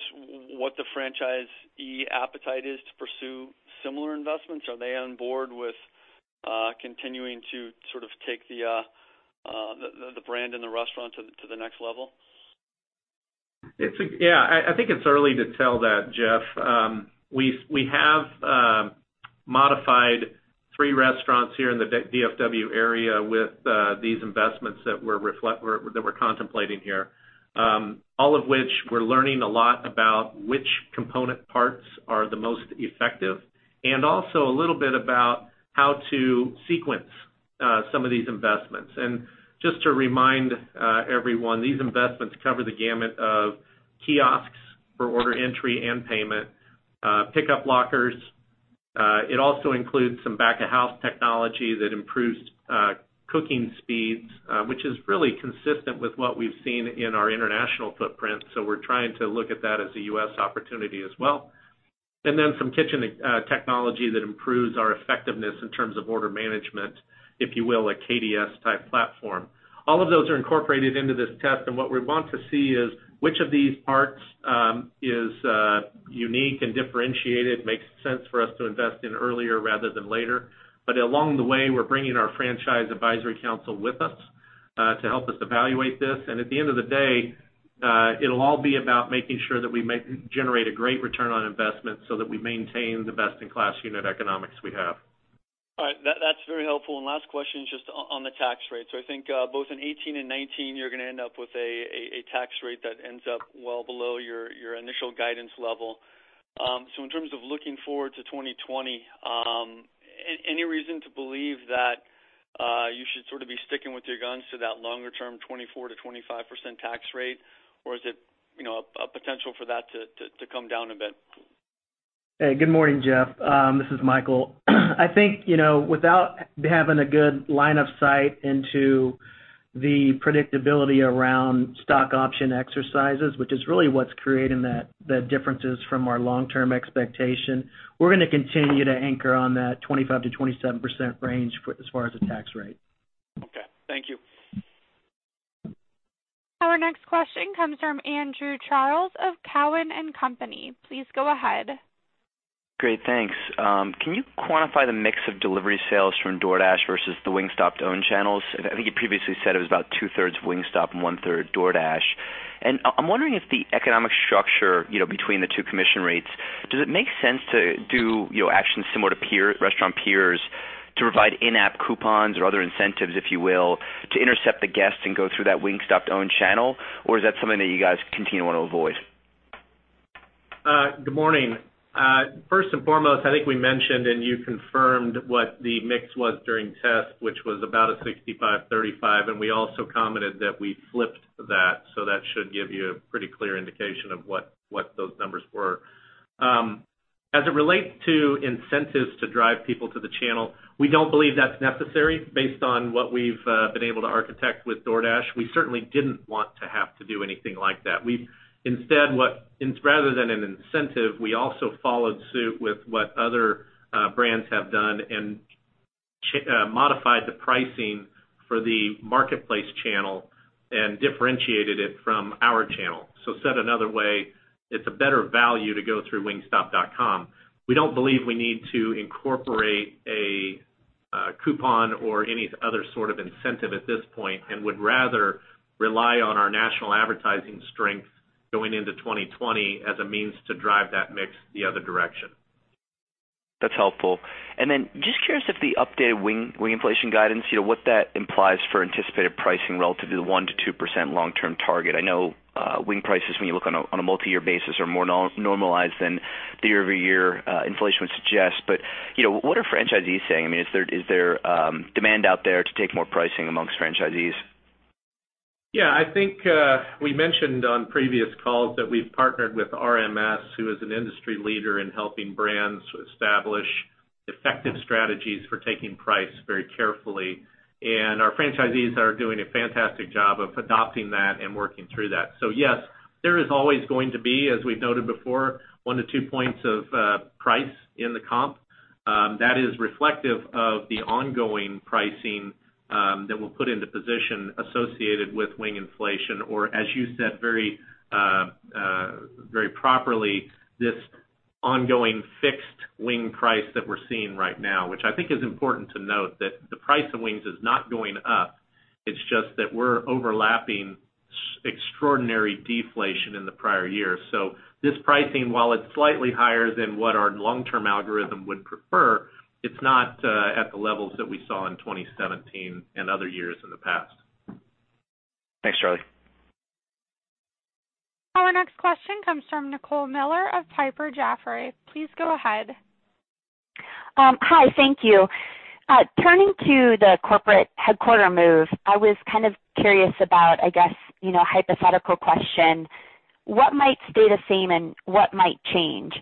what the franchisee appetite is to pursue similar investments. Are they on board with continuing to take the brand and the restaurant to the next level? Yeah, I think it's early to tell that, Jeff. We have modified three restaurants here in the DFW area with these investments that we're contemplating here. All of which we're learning a lot about which component parts are the most effective, and also a little bit about how to sequence some of these investments. Just to remind everyone, these investments cover the gamut of kiosks for order entry and payment, pickup lockers. It also includes some back-of-house technology that improves cooking speeds, which is really consistent with what we've seen in our international footprint. We're trying to look at that as a U.S. opportunity as well. Some kitchen technology that improves our effectiveness in terms of order management, if you will, a KDS type platform. All of those are incorporated into this test. What we'd want to see is which of these parts is unique and differentiated, makes sense for us to invest in earlier rather than later. Along the way, we're bringing our franchise advisory council with us to help us evaluate this. At the end of the day, it'll all be about making sure that we generate a great return on investment so that we maintain the best-in-class unit economics we have. All right. That's very helpful. Last question is just on the tax rate. I think both in 2018 and 2019, you're going to end up with a tax rate that ends up well below your initial guidance level. In terms of looking forward to 2020, any reason to believe that you should sort of be sticking with your guns to that longer term 24%-25% tax rate? Or is it a potential for that to come down a bit? Hey, good morning, Jeff. This is Michael. I think, without having a good line of sight into the predictability around stock option exercises, which is really what's creating the differences from our long-term expectation, we're going to continue to anchor on that 25%-27% range as far as the tax rate. Okay. Thank you. Our next question comes from Andrew Charles of Cowen and Company. Please go ahead. Great. Thanks. Can you quantify the mix of delivery sales from DoorDash versus the Wingstop-owned channels? I think you previously said it was about two-thirds Wingstop and one-third DoorDash. I'm wondering if the economic structure between the two commission rates, does it make sense to do actions similar to restaurant peers to provide in-app coupons or other incentives, if you will, to intercept the guest and go through that Wingstop-owned channel? Is that something that you guys continue want to avoid? Good morning. First and foremost, I think we mentioned, and you confirmed what the mix was during test, which was about a 65/35, and we also commented that we flipped that. That should give you a pretty clear indication of what those numbers were. As it relates to incentives to drive people to the channel, we don't believe that's necessary based on what we've been able to architect with DoorDash. We certainly didn't want to have to do anything like that. Instead, rather than an incentive, we also followed suit with what other brands have done and modified the pricing for the marketplace channel and differentiated it from our channel. Said another way, it's a better value to go through wingstop.com. We don't believe we need to incorporate a coupon or any other sort of incentive at this point, and would rather rely on our national advertising strength going into 2020 as a means to drive that mix the other direction. That's helpful. Just curious if the updated wing inflation guidance, what that implies for anticipated pricing relative to the 1%-2% long-term target. I know wing prices, when you look on a multi-year basis, are more normalized than the year-over-year inflation would suggest. What are franchisees saying? Is there demand out there to take more pricing amongst franchisees? Yeah, I think we mentioned on previous calls that we've partnered with RMS, who is an industry leader in helping brands establish effective strategies for taking price very carefully, our franchisees are doing a fantastic job of adopting that and working through that. Yes, there is always going to be, as we've noted before, one to two points of price in the comp. That is reflective of the ongoing pricing that we'll put into position associated with wing inflation or, as you said very properly, this ongoing fixed wing price that we're seeing right now, which I think is important to note that the price of wings is not going up, it's just that we're overlapping extraordinary deflation in the prior year. This pricing, while it's slightly higher than what our long-term algorithm would prefer, it's not at the levels that we saw in 2017 and other years in the past. Thanks, Charlie. Our next question comes from Nicole Miller Regan of Piper Jaffray. Please go ahead. Hi, thank you. Turning to the corporate headquarters move, I was kind of curious about, I guess, hypothetical question, what might stay the same and what might change?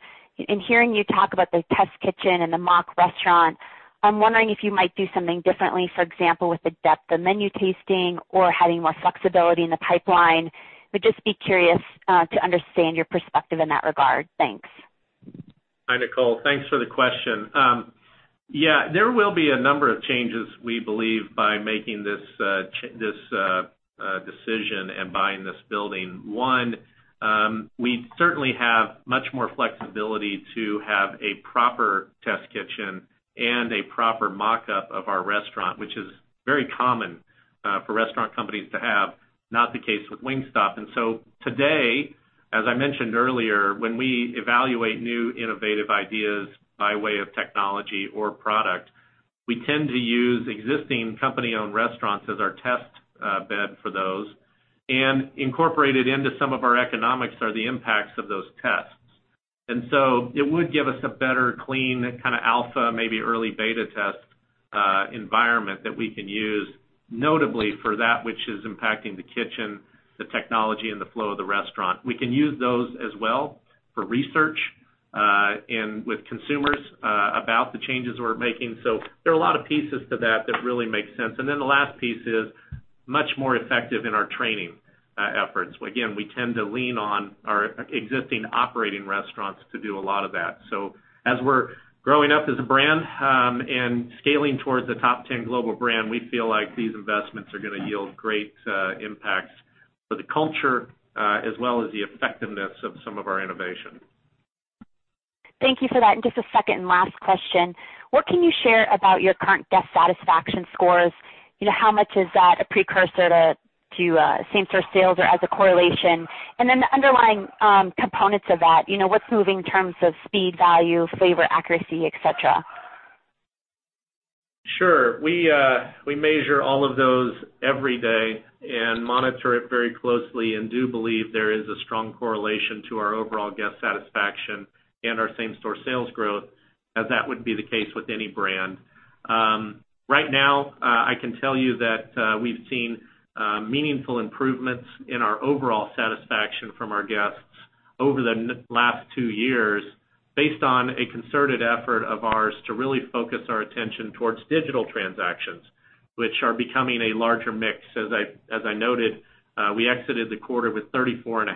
In hearing you talk about the test kitchen and the mock restaurant, I'm wondering if you might do something differently, for example, with the depth of menu tasting or having more flexibility in the pipeline. I would just be curious to understand your perspective in that regard. Thanks. Hi, Nicole. Thanks for the question. Yeah, there will be a number of changes, we believe, by making this decision and buying this building. One, we certainly have much more flexibility to have a proper test kitchen and a proper mock-up of our restaurant, which is very common for restaurant companies to have, not the case with Wingstop. Today, as I mentioned earlier, when we evaluate new innovative ideas by way of technology or product, we tend to use existing company-owned restaurants as our test bed for those and incorporate it into some of our economics or the impacts of those tests. It would give us a better clean kind of alpha, maybe early beta test environment that we can use, notably for that which is impacting the kitchen, the technology, and the flow of the restaurant. We can use those as well for research with consumers about the changes we're making. There are a lot of pieces to that that really make sense. The last piece is much more effective in our training efforts. Again, we tend to lean on our existing operating restaurants to do a lot of that. As we're growing up as a brand and scaling towards the top 10 global brand, we feel like these investments are going to yield great impacts for the culture as well as the effectiveness of some of our innovation. Thank you for that. Just a second and last question. What can you share about your current guest satisfaction scores? How much is that a precursor to same-store sales or as a correlation? Then the underlying components of that, what's moving in terms of speed, value, flavor, accuracy, et cetera? We measure all of those every day and monitor it very closely and do believe there is a strong correlation to our overall guest satisfaction and our same-store sales growth as that would be the case with any brand. Right now, I can tell you that we've seen meaningful improvements in our overall satisfaction from our guests over the last two years based on a concerted effort of ours to really focus our attention towards digital transactions, which are becoming a larger mix. As I noted, we exited the quarter with 34.5%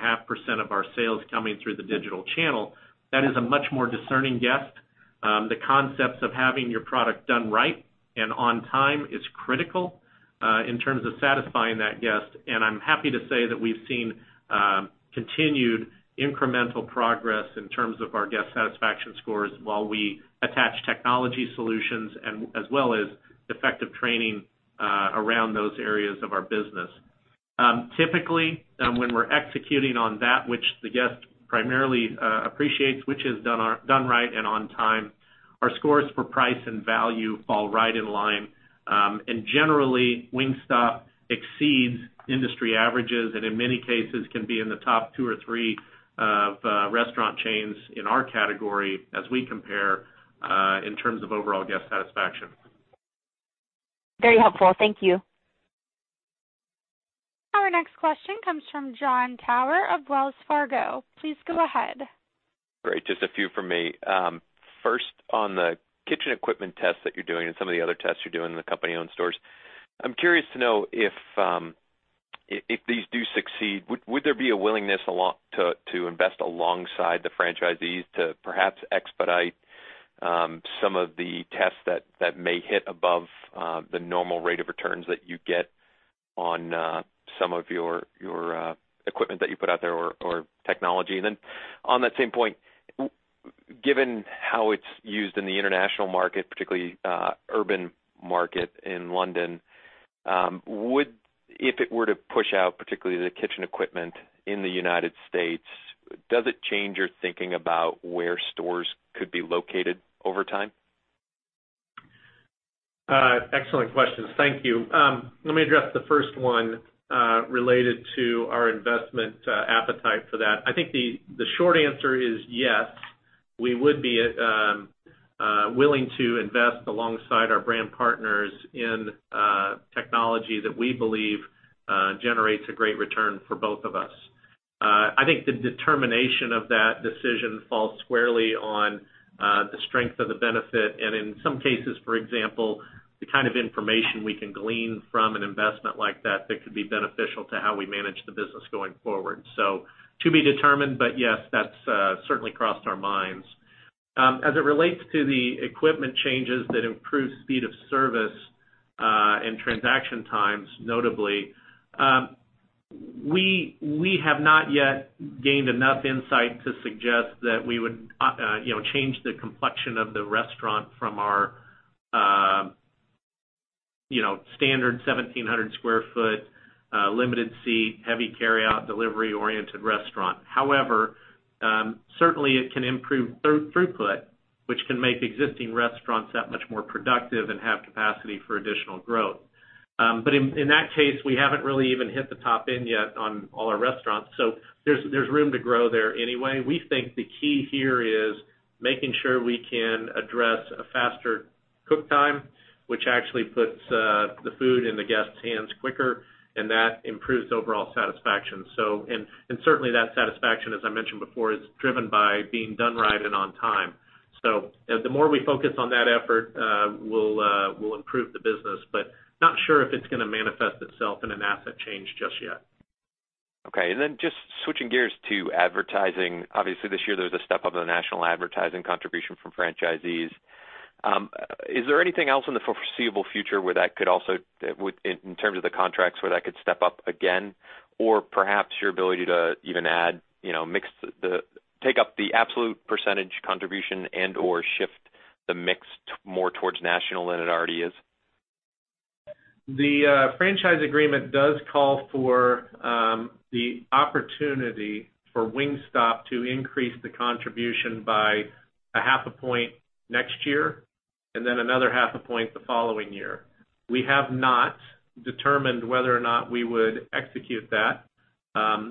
of our sales coming through the digital channel. That is a much more discerning guest. The concepts of having your product done right and on time is critical in terms of satisfying that guest, and I'm happy to say that we've seen continued incremental progress in terms of our guest satisfaction scores while we attach technology solutions, as well as effective training around those areas of our business. Typically, when we're executing on that which the guest primarily appreciates, which is done right and on time, our scores for price and value fall right in line. Generally, Wingstop exceeds industry averages, and in many cases, can be in the top two or three of restaurant chains in our category as we compare in terms of overall guest satisfaction. Very helpful. Thank you. Our next question comes from Jon Tower of Wells Fargo. Please go ahead. Great. Just a few from me. First, on the kitchen equipment tests that you're doing and some of the other tests you're doing in the company-owned stores, I'm curious to know if these do succeed, would there be a willingness to invest alongside the franchisees to perhaps expedite some of the tests that may hit above the normal rate of returns that you get on some of your equipment that you put out there or technology? Then on that same point, given how it's used in the international market, particularly urban market in London, if it were to push out particularly the kitchen equipment in the U.S., does it change your thinking about where stores could be located over time? Excellent questions. Thank you. Let me address the first one related to our investment appetite for that. I think the short answer is yes, we would be willing to invest alongside our brand partners in technology that we believe generates a great return for both of us. I think the determination of that decision falls squarely on the strength of the benefit, and in some cases, for example, the kind of information we can glean from an investment like that that could be beneficial to how we manage the business going forward. To be determined, but yes, that's certainly crossed our minds. As it relates to the equipment changes that improve speed of service and transaction times, notably, we have not yet gained enough insight to suggest that we would change the complexion of the restaurant from our standard 1,700 square foot limited seat, heavy carryout delivery-oriented restaurant. Certainly it can improve throughput, which can make existing restaurants that much more productive and have capacity for additional growth. In that case, we haven't really even hit the top end yet on all our restaurants, so there's room to grow there anyway. We think the key here is making sure we can address a faster cook time, which actually puts the food in the guest's hands quicker, and that improves overall satisfaction. Certainly, that satisfaction, as I mentioned before, is driven by being done right and on time. The more we focus on that effort, we'll improve the business, but not sure if it's going to manifest itself in an asset change just yet. Okay, just switching gears to advertising. Obviously, this year there's a step up in the national advertising contribution from franchisees. Is there anything else in the foreseeable future in terms of the contracts where that could step up again? Or perhaps your ability to even take up the absolute percentage contribution and/or shift the mix more towards national than it already is? The franchise agreement does call for the opportunity for Wingstop to increase the contribution by a half a point next year, and then another half a point the following year. We have not determined whether or not we would execute that.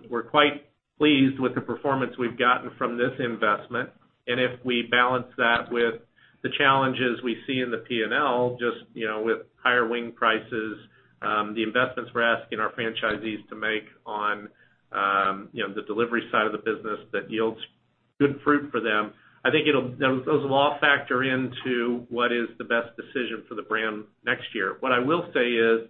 We're quite pleased with the performance we've gotten from this investment, and if we balance that with the challenges we see in the P&L, just with higher wing prices, the investments we're asking our franchisees to make on the delivery side of the business that yields good fruit for them. I think those will all factor into what is the best decision for the brand next year. What I will say is,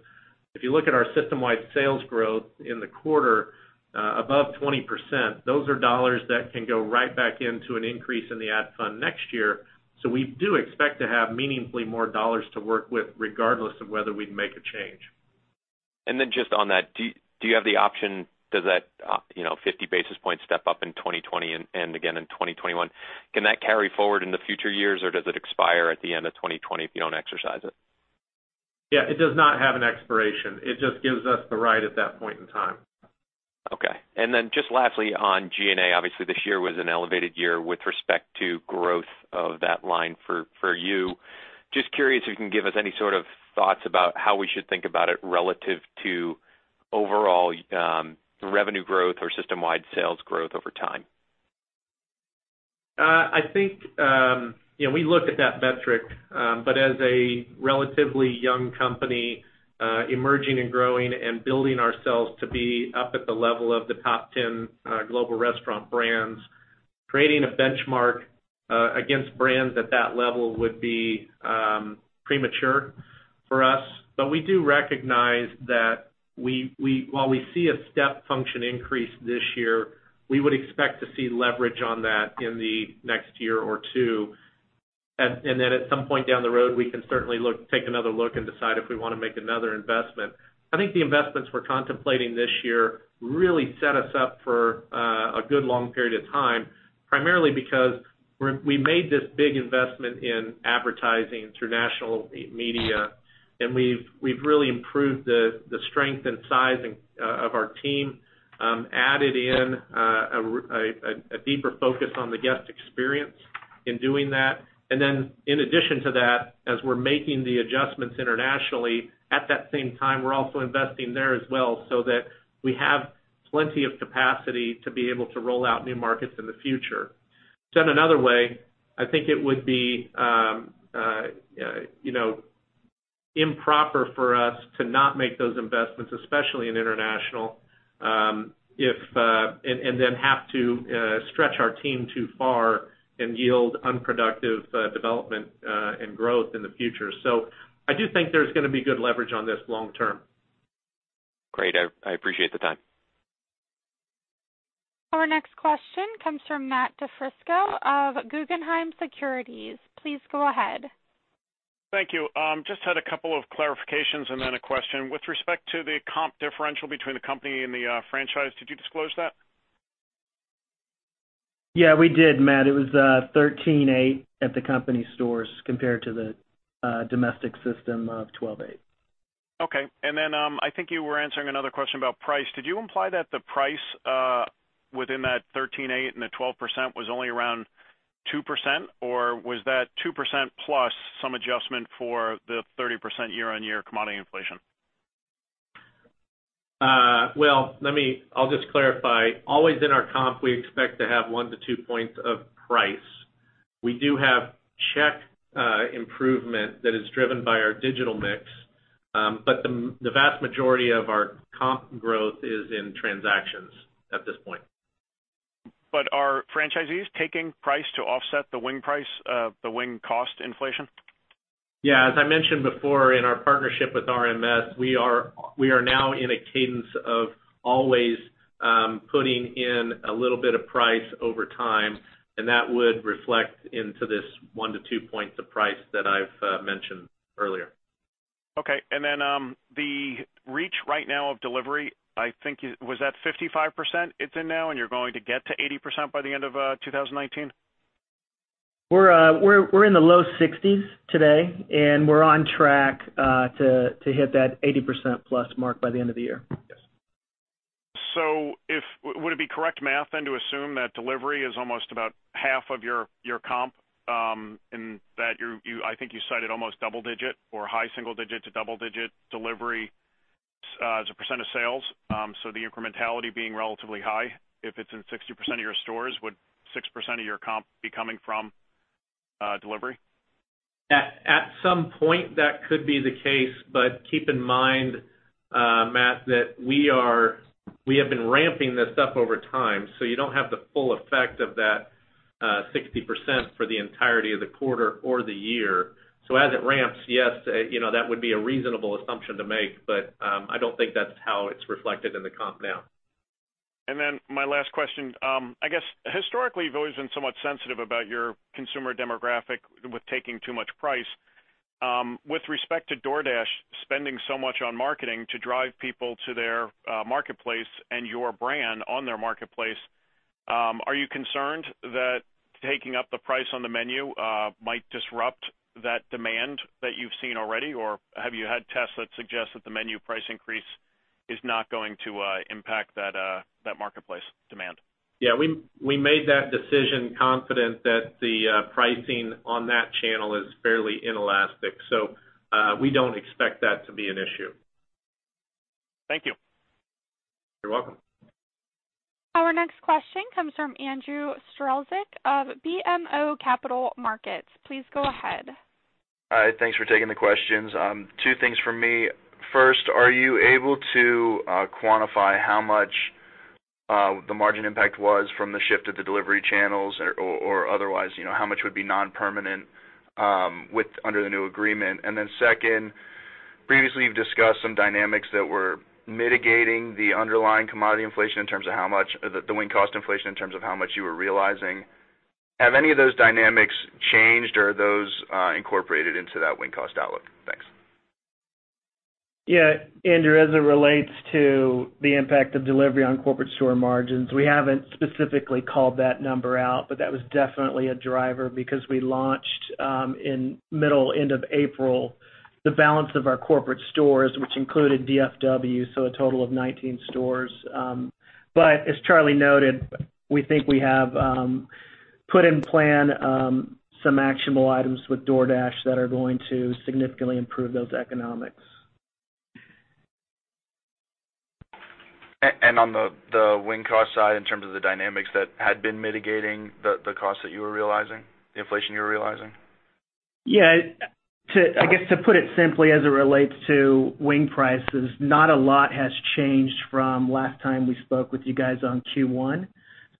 if you look at our system-wide sales growth in the quarter above 20%, those are dollars that can go right back into an increase in the ad fund next year. We do expect to have meaningfully more dollars to work with, regardless of whether we'd make a change. Just on that, do you have the option, does that 50 basis point step up in 2020 and again in 2021, can that carry forward into future years, or does it expire at the end of 2020 if you don't exercise it? Yeah, it does not have an expiration. It just gives us the right at that point in time. Just lastly on G&A, obviously, this year was an elevated year with respect to growth of that line for you. Just curious if you can give us any sort of thoughts about how we should think about it relative to overall revenue growth or system-wide sales growth over time. I think we look at that metric. As a relatively young company, emerging and growing and building ourselves to be up at the level of the top 10 global restaurant brands, creating a benchmark against brands at that level would be premature for us. We do recognize that while we see a step function increase this year, we would expect to see leverage on that in the next year or 2. At some point down the road, we can certainly take another look and decide if we want to make another investment. I think the investments we're contemplating this year really set us up for a good long period of time, primarily because we made this big investment in advertising, international media, and we've really improved the strength and sizing of our team, added in a deeper focus on the guest experience in doing that. In addition to that, as we're making the adjustments internationally, at that same time, we're also investing there as well, so that we have plenty of capacity to be able to roll out new markets in the future. Said another way, I think it would be improper for us to not make those investments, especially in international, and then have to stretch our team too far and yield unproductive development and growth in the future. I do think there's going to be good leverage on this long term. Great. I appreciate the time. Our next question comes from Matthew DiFrisco of Guggenheim Securities. Please go ahead. Thank you. Just had a couple of clarifications and then a question. With respect to the comp differential between the company and the franchise, did you disclose that? Yeah, we did, Matt. It was 13.8% at the company stores, compared to the domestic system of 12.8%. Okay. I think you were answering another question about price. Did you imply that the price within that 13.8 and the 12% was only around 2%? Was that 2% plus some adjustment for the 30% year-on-year commodity inflation? Well, I'll just clarify. Always in our comp, we expect to have one to two points of price. We do have check improvement that is driven by our digital mix. The vast majority of our comp growth is in transactions at this point. Are franchisees taking price to offset the wing cost inflation? Yeah, as I mentioned before, in our partnership with RMS, we are now in a cadence of always putting in a little bit of price over time, and that would reflect into this one to two points of price that I've mentioned earlier. Okay, the reach right now of delivery, I think, was that 55% it's in now, and you're going to get to 80% by the end of 2019? We're in the low 60s today, and we're on track to hit that 80% plus mark by the end of the year. Yes. Would it be correct math then to assume that delivery is almost about half of your comp, in that I think you cited almost double digit or high single digit to double-digit delivery as a percent of sales. The incrementality being relatively high. If it's in 60% of your stores, would 6% of your comp be coming from delivery? At some point, that could be the case, but keep in mind, Matt, that we have been ramping this up over time, so you don't have the full effect of that 60% for the entirety of the quarter or the year. As it ramps, yes, that would be a reasonable assumption to make, but I don't think that's how it's reflected in the comp now. My last question. I guess historically, you've always been somewhat sensitive about your consumer demographic with taking too much price. With respect to DoorDash spending so much on marketing to drive people to their marketplace and your brand on their marketplace, are you concerned that taking up the price on the menu might disrupt that demand that you've seen already? Or have you had tests that suggest that the menu price increase is not going to impact that marketplace demand? Yeah, we made that decision confident that the pricing on that channel is fairly inelastic. We don't expect that to be an issue. Thank you. You're welcome. Our next question comes from Andrew Strelzik of BMO Capital Markets. Please go ahead. Hi. Thanks for taking the questions. Two things from me. First, are you able to quantify how much the margin impact was from the shift of the delivery channels or otherwise, how much would be non-permanent under the new agreement? Second, previously you've discussed some dynamics that were mitigating the underlying commodity inflation in terms of how much the wing cost inflation, in terms of how much you were realizing. Have any of those dynamics changed, or are those incorporated into that wing cost outlook? Thanks. Yeah, Andrew, as it relates to the impact of delivery on corporate store margins, we haven't specifically called that number out, but that was definitely a driver because we launched in middle, end of April, the balance of our corporate stores, which included DFW, so a total of 19 stores. As Charlie noted, we think we have put in plan some actionable items with DoorDash that are going to significantly improve those economics. On the wing cost side, in terms of the dynamics that had been mitigating the cost that you were realizing, the inflation you were realizing? Yeah. I guess to put it simply as it relates to wing prices, not a lot has changed from last time we spoke with you guys on Q1.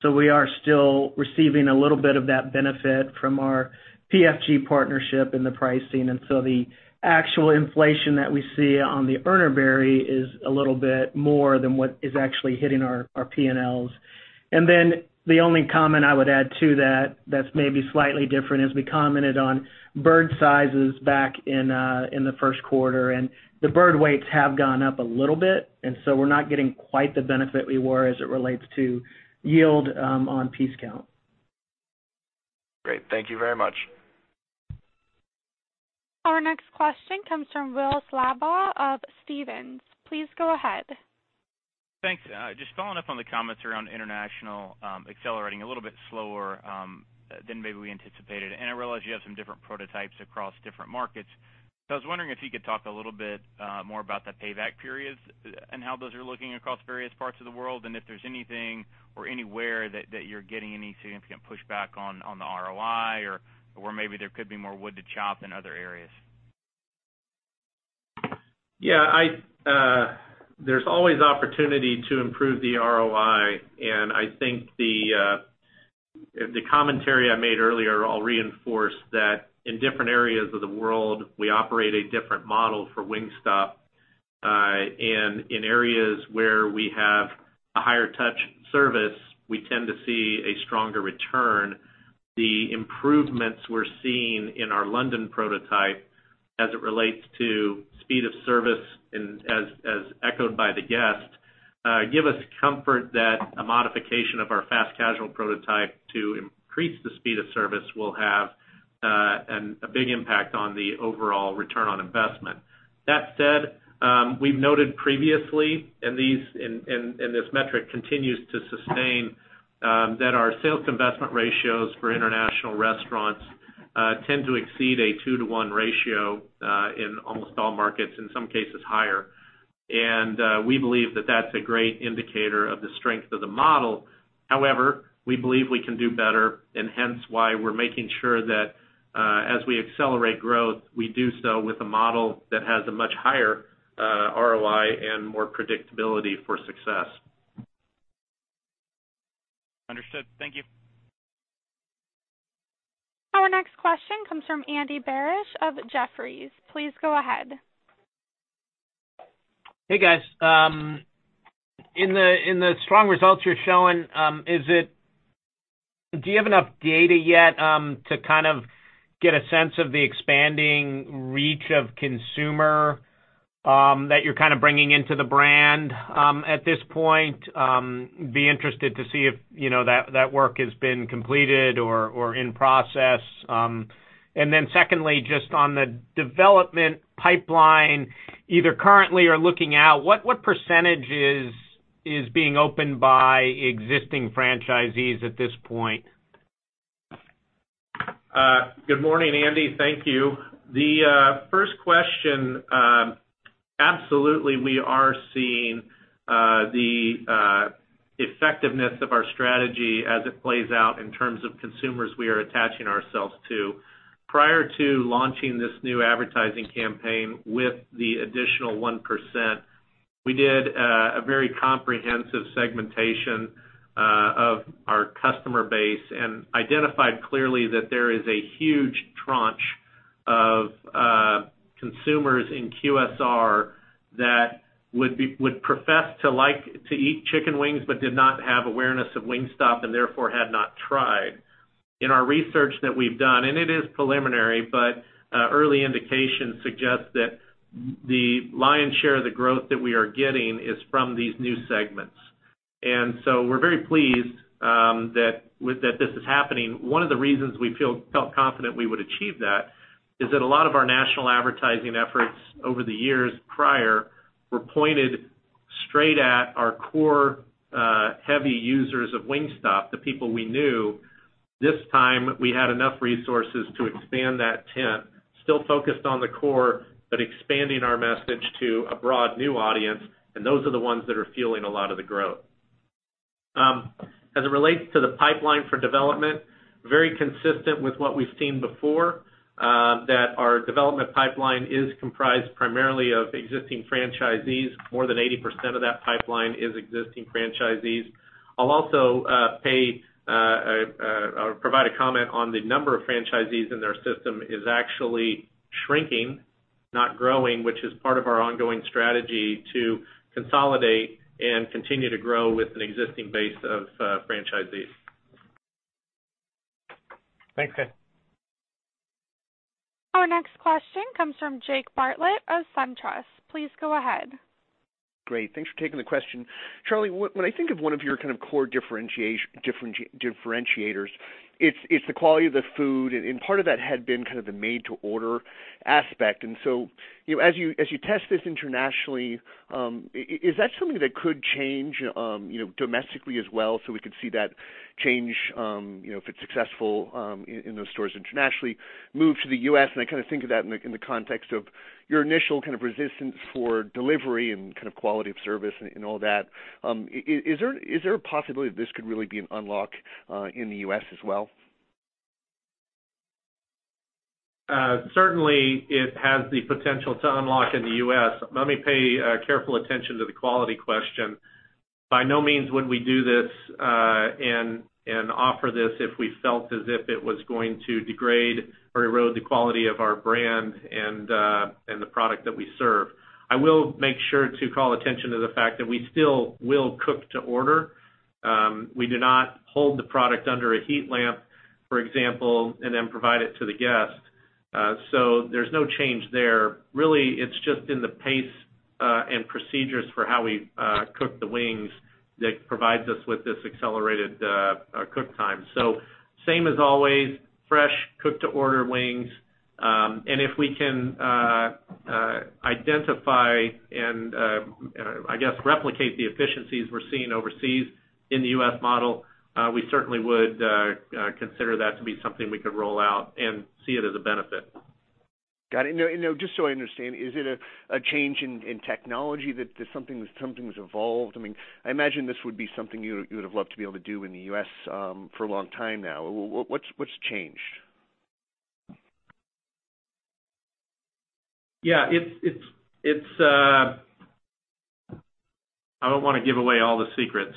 We are still receiving a little bit of that benefit from our PFG partnership and the pricing. The actual inflation that we see on the Urner Barry is a little bit more than what is actually hitting our P&Ls. The only comment I would add to that's maybe slightly different, is we commented on bird sizes back in the first quarter, and the bird weights have gone up a little bit, and so we're not getting quite the benefit we were as it relates to yield on piece count. Great. Thank you very much. Our next question comes from Will Slabaugh of Stephens. Please go ahead. Thanks. Just following up on the comments around international accelerating a little bit slower than maybe we anticipated. I realize you have some different prototypes across different markets. I was wondering if you could talk a little bit more about the payback periods and how those are looking across various parts of the world, and if there's anything or anywhere that you're getting any significant pushback on the ROI, or where maybe there could be more wood to chop in other areas. Yeah. There's always opportunity to improve the ROI. I think the commentary I made earlier, I'll reinforce that in different areas of the world, we operate a different model for Wingstop. In areas where we have a higher touch service, we tend to see a stronger return. The improvements we're seeing in our London prototype as it relates to speed of service, as echoed by the guest, give us comfort that a modification of our fast casual prototype to increase the speed of service will have a big impact on the overall return on investment. That said, we've noted previously, and this metric continues to sustain, that our sales investment ratios for international restaurants tend to exceed a two to one ratio in almost all markets, in some cases higher. We believe that that's a great indicator of the strength of the model. However, we believe we can do better, and hence why we're making sure that as we accelerate growth, we do so with a model that has a much higher ROI and more predictability for success. Understood. Thank you. Our next question comes from Andy Barish of Jefferies. Please go ahead. Hey, guys. In the strong results you're showing, do you have enough data yet to kind of get a sense of the expanding reach of consumer that you're bringing into the brand at this point? I'd be interested to see if that work has been completed or in process. Secondly, just on the development pipeline, either currently or looking out, what percentage is being opened by existing franchisees at this point? Good morning, Andy. Thank you. The first question, absolutely we are seeing the effectiveness of our strategy as it plays out in terms of consumers we are attaching ourselves to. Prior to launching this new advertising campaign with the additional 1%, we did a very comprehensive segmentation of our customer base and identified clearly that there is a huge tranche of consumers in QSR that would profess to like to eat chicken wings but did not have awareness of Wingstop and therefore had not tried. In our research that we've done, and it is preliminary, but early indications suggest that the lion's share of the growth that we are getting is from these new segments. We're very pleased that this is happening. One of the reasons we felt confident we would achieve that is that a lot of our national advertising efforts over the years prior were pointed straight at our core heavy users of Wingstop, the people we knew. This time, we had enough resources to expand that tent, still focused on the core, but expanding our message to a broad new audience, and those are the ones that are fueling a lot of the growth. As it relates to the pipeline for development, very consistent with what we've seen before, that our development pipeline is comprised primarily of existing franchisees. More than 80% of that pipeline is existing franchisees. I'll also provide a comment on the number of franchisees in their system is actually shrinking, not growing, which is part of our ongoing strategy to consolidate and continue to grow with an existing base of franchisees. Thanks. Our next question comes from Jake Bartlett of SunTrust. Please go ahead. Great. Thanks for taking the question. Charlie, when I think of one of your core differentiators, it's the quality of the food, and part of that had been the made-to-order aspect. As you test this internationally, is that something that could change domestically as well, so we could see that change, if it's successful in those stores internationally, move to the U.S.? I think of that in the context of your initial resistance for delivery and quality of service and all that. Is there a possibility that this could really be an unlock in the U.S. as well? Certainly it has the potential to unlock in the U.S. Let me pay careful attention to the quality question. By no means would we do this and offer this if we felt as if it was going to degrade or erode the quality of our brand and the product that we serve. I will make sure to call attention to the fact that we still will cook to order. We do not hold the product under a heat lamp, for example, and then provide it to the guest. There's no change there. Really, it's just in the pace and procedures for how we cook the wings that provides us with this accelerated cook time. Same as always, fresh cook-to-order wings. If we can identify and, I guess, replicate the efficiencies we're seeing overseas in the U.S. model, we certainly would consider that to be something we could roll out and see it as a benefit. Got it. Just so I understand, is it a change in technology that something's evolved? I imagine this would be something you would have loved to be able to do in the U.S. for a long time now. What's changed? Yeah. I don't want to give away all the secrets.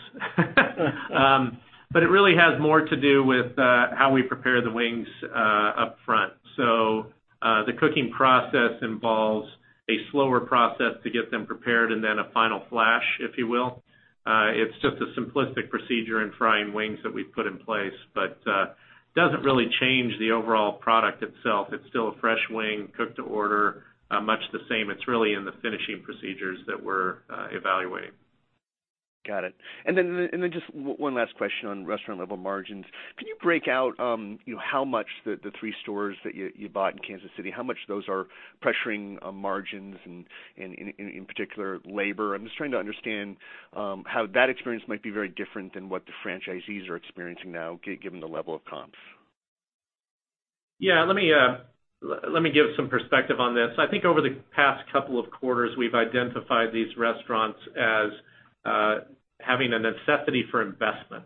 It really has more to do with how we prepare the wings upfront. The cooking process involves a slower process to get them prepared and then a final flash, if you will. It's just a simplistic procedure in frying wings that we've put in place, but doesn't really change the overall product itself. It's still a fresh wing, cooked to order, much the same. It's really in the finishing procedures that we're evaluating. Got it. Just one last question on restaurant-level margins. Can you break out how much the three stores that you bought in Kansas City, how much those are pressuring margins and in particular, labor? I'm just trying to understand how that experience might be very different than what the franchisees are experiencing now, given the level of comps. Yeah, let me give some perspective on this. I think over the past couple of quarters, we've identified these restaurants as having a necessity for investment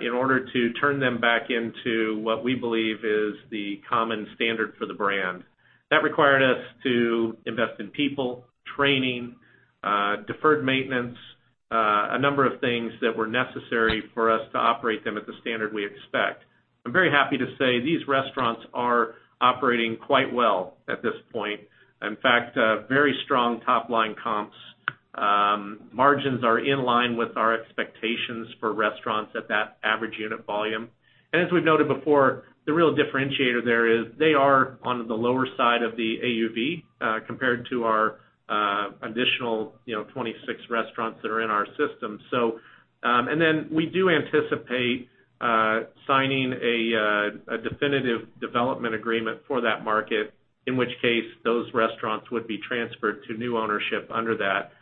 in order to turn them back into what we believe is the common standard for the brand. That required us to invest in people, training, deferred maintenance, a number of things that were necessary for us to operate them at the standard we expect. I'm very happy to say these restaurants are operating quite well at this point. In fact, very strong top-line comps. Margins are in line with our expectations for restaurants at that average unit volume. As we've noted before, the real differentiator there is they are on the lower side of the AUV compared to our additional 26 restaurants that are in our system. Then we do anticipate signing a definitive development agreement for that market, in which case, those restaurants would be transferred to new ownership under that.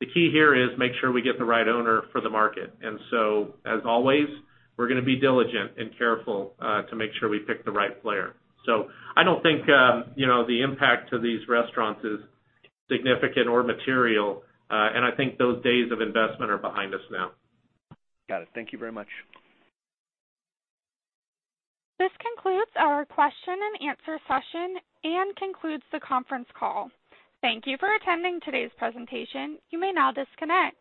The key here is make sure we get the right owner for the market. So, as always, we're going to be diligent and careful to make sure we pick the right player. I don't think the impact to these restaurants is significant or material, and I think those days of investment are behind us now. Got it. Thank you very much. This concludes our question and answer session and concludes the conference call. Thank you for attending today's presentation. You may now disconnect.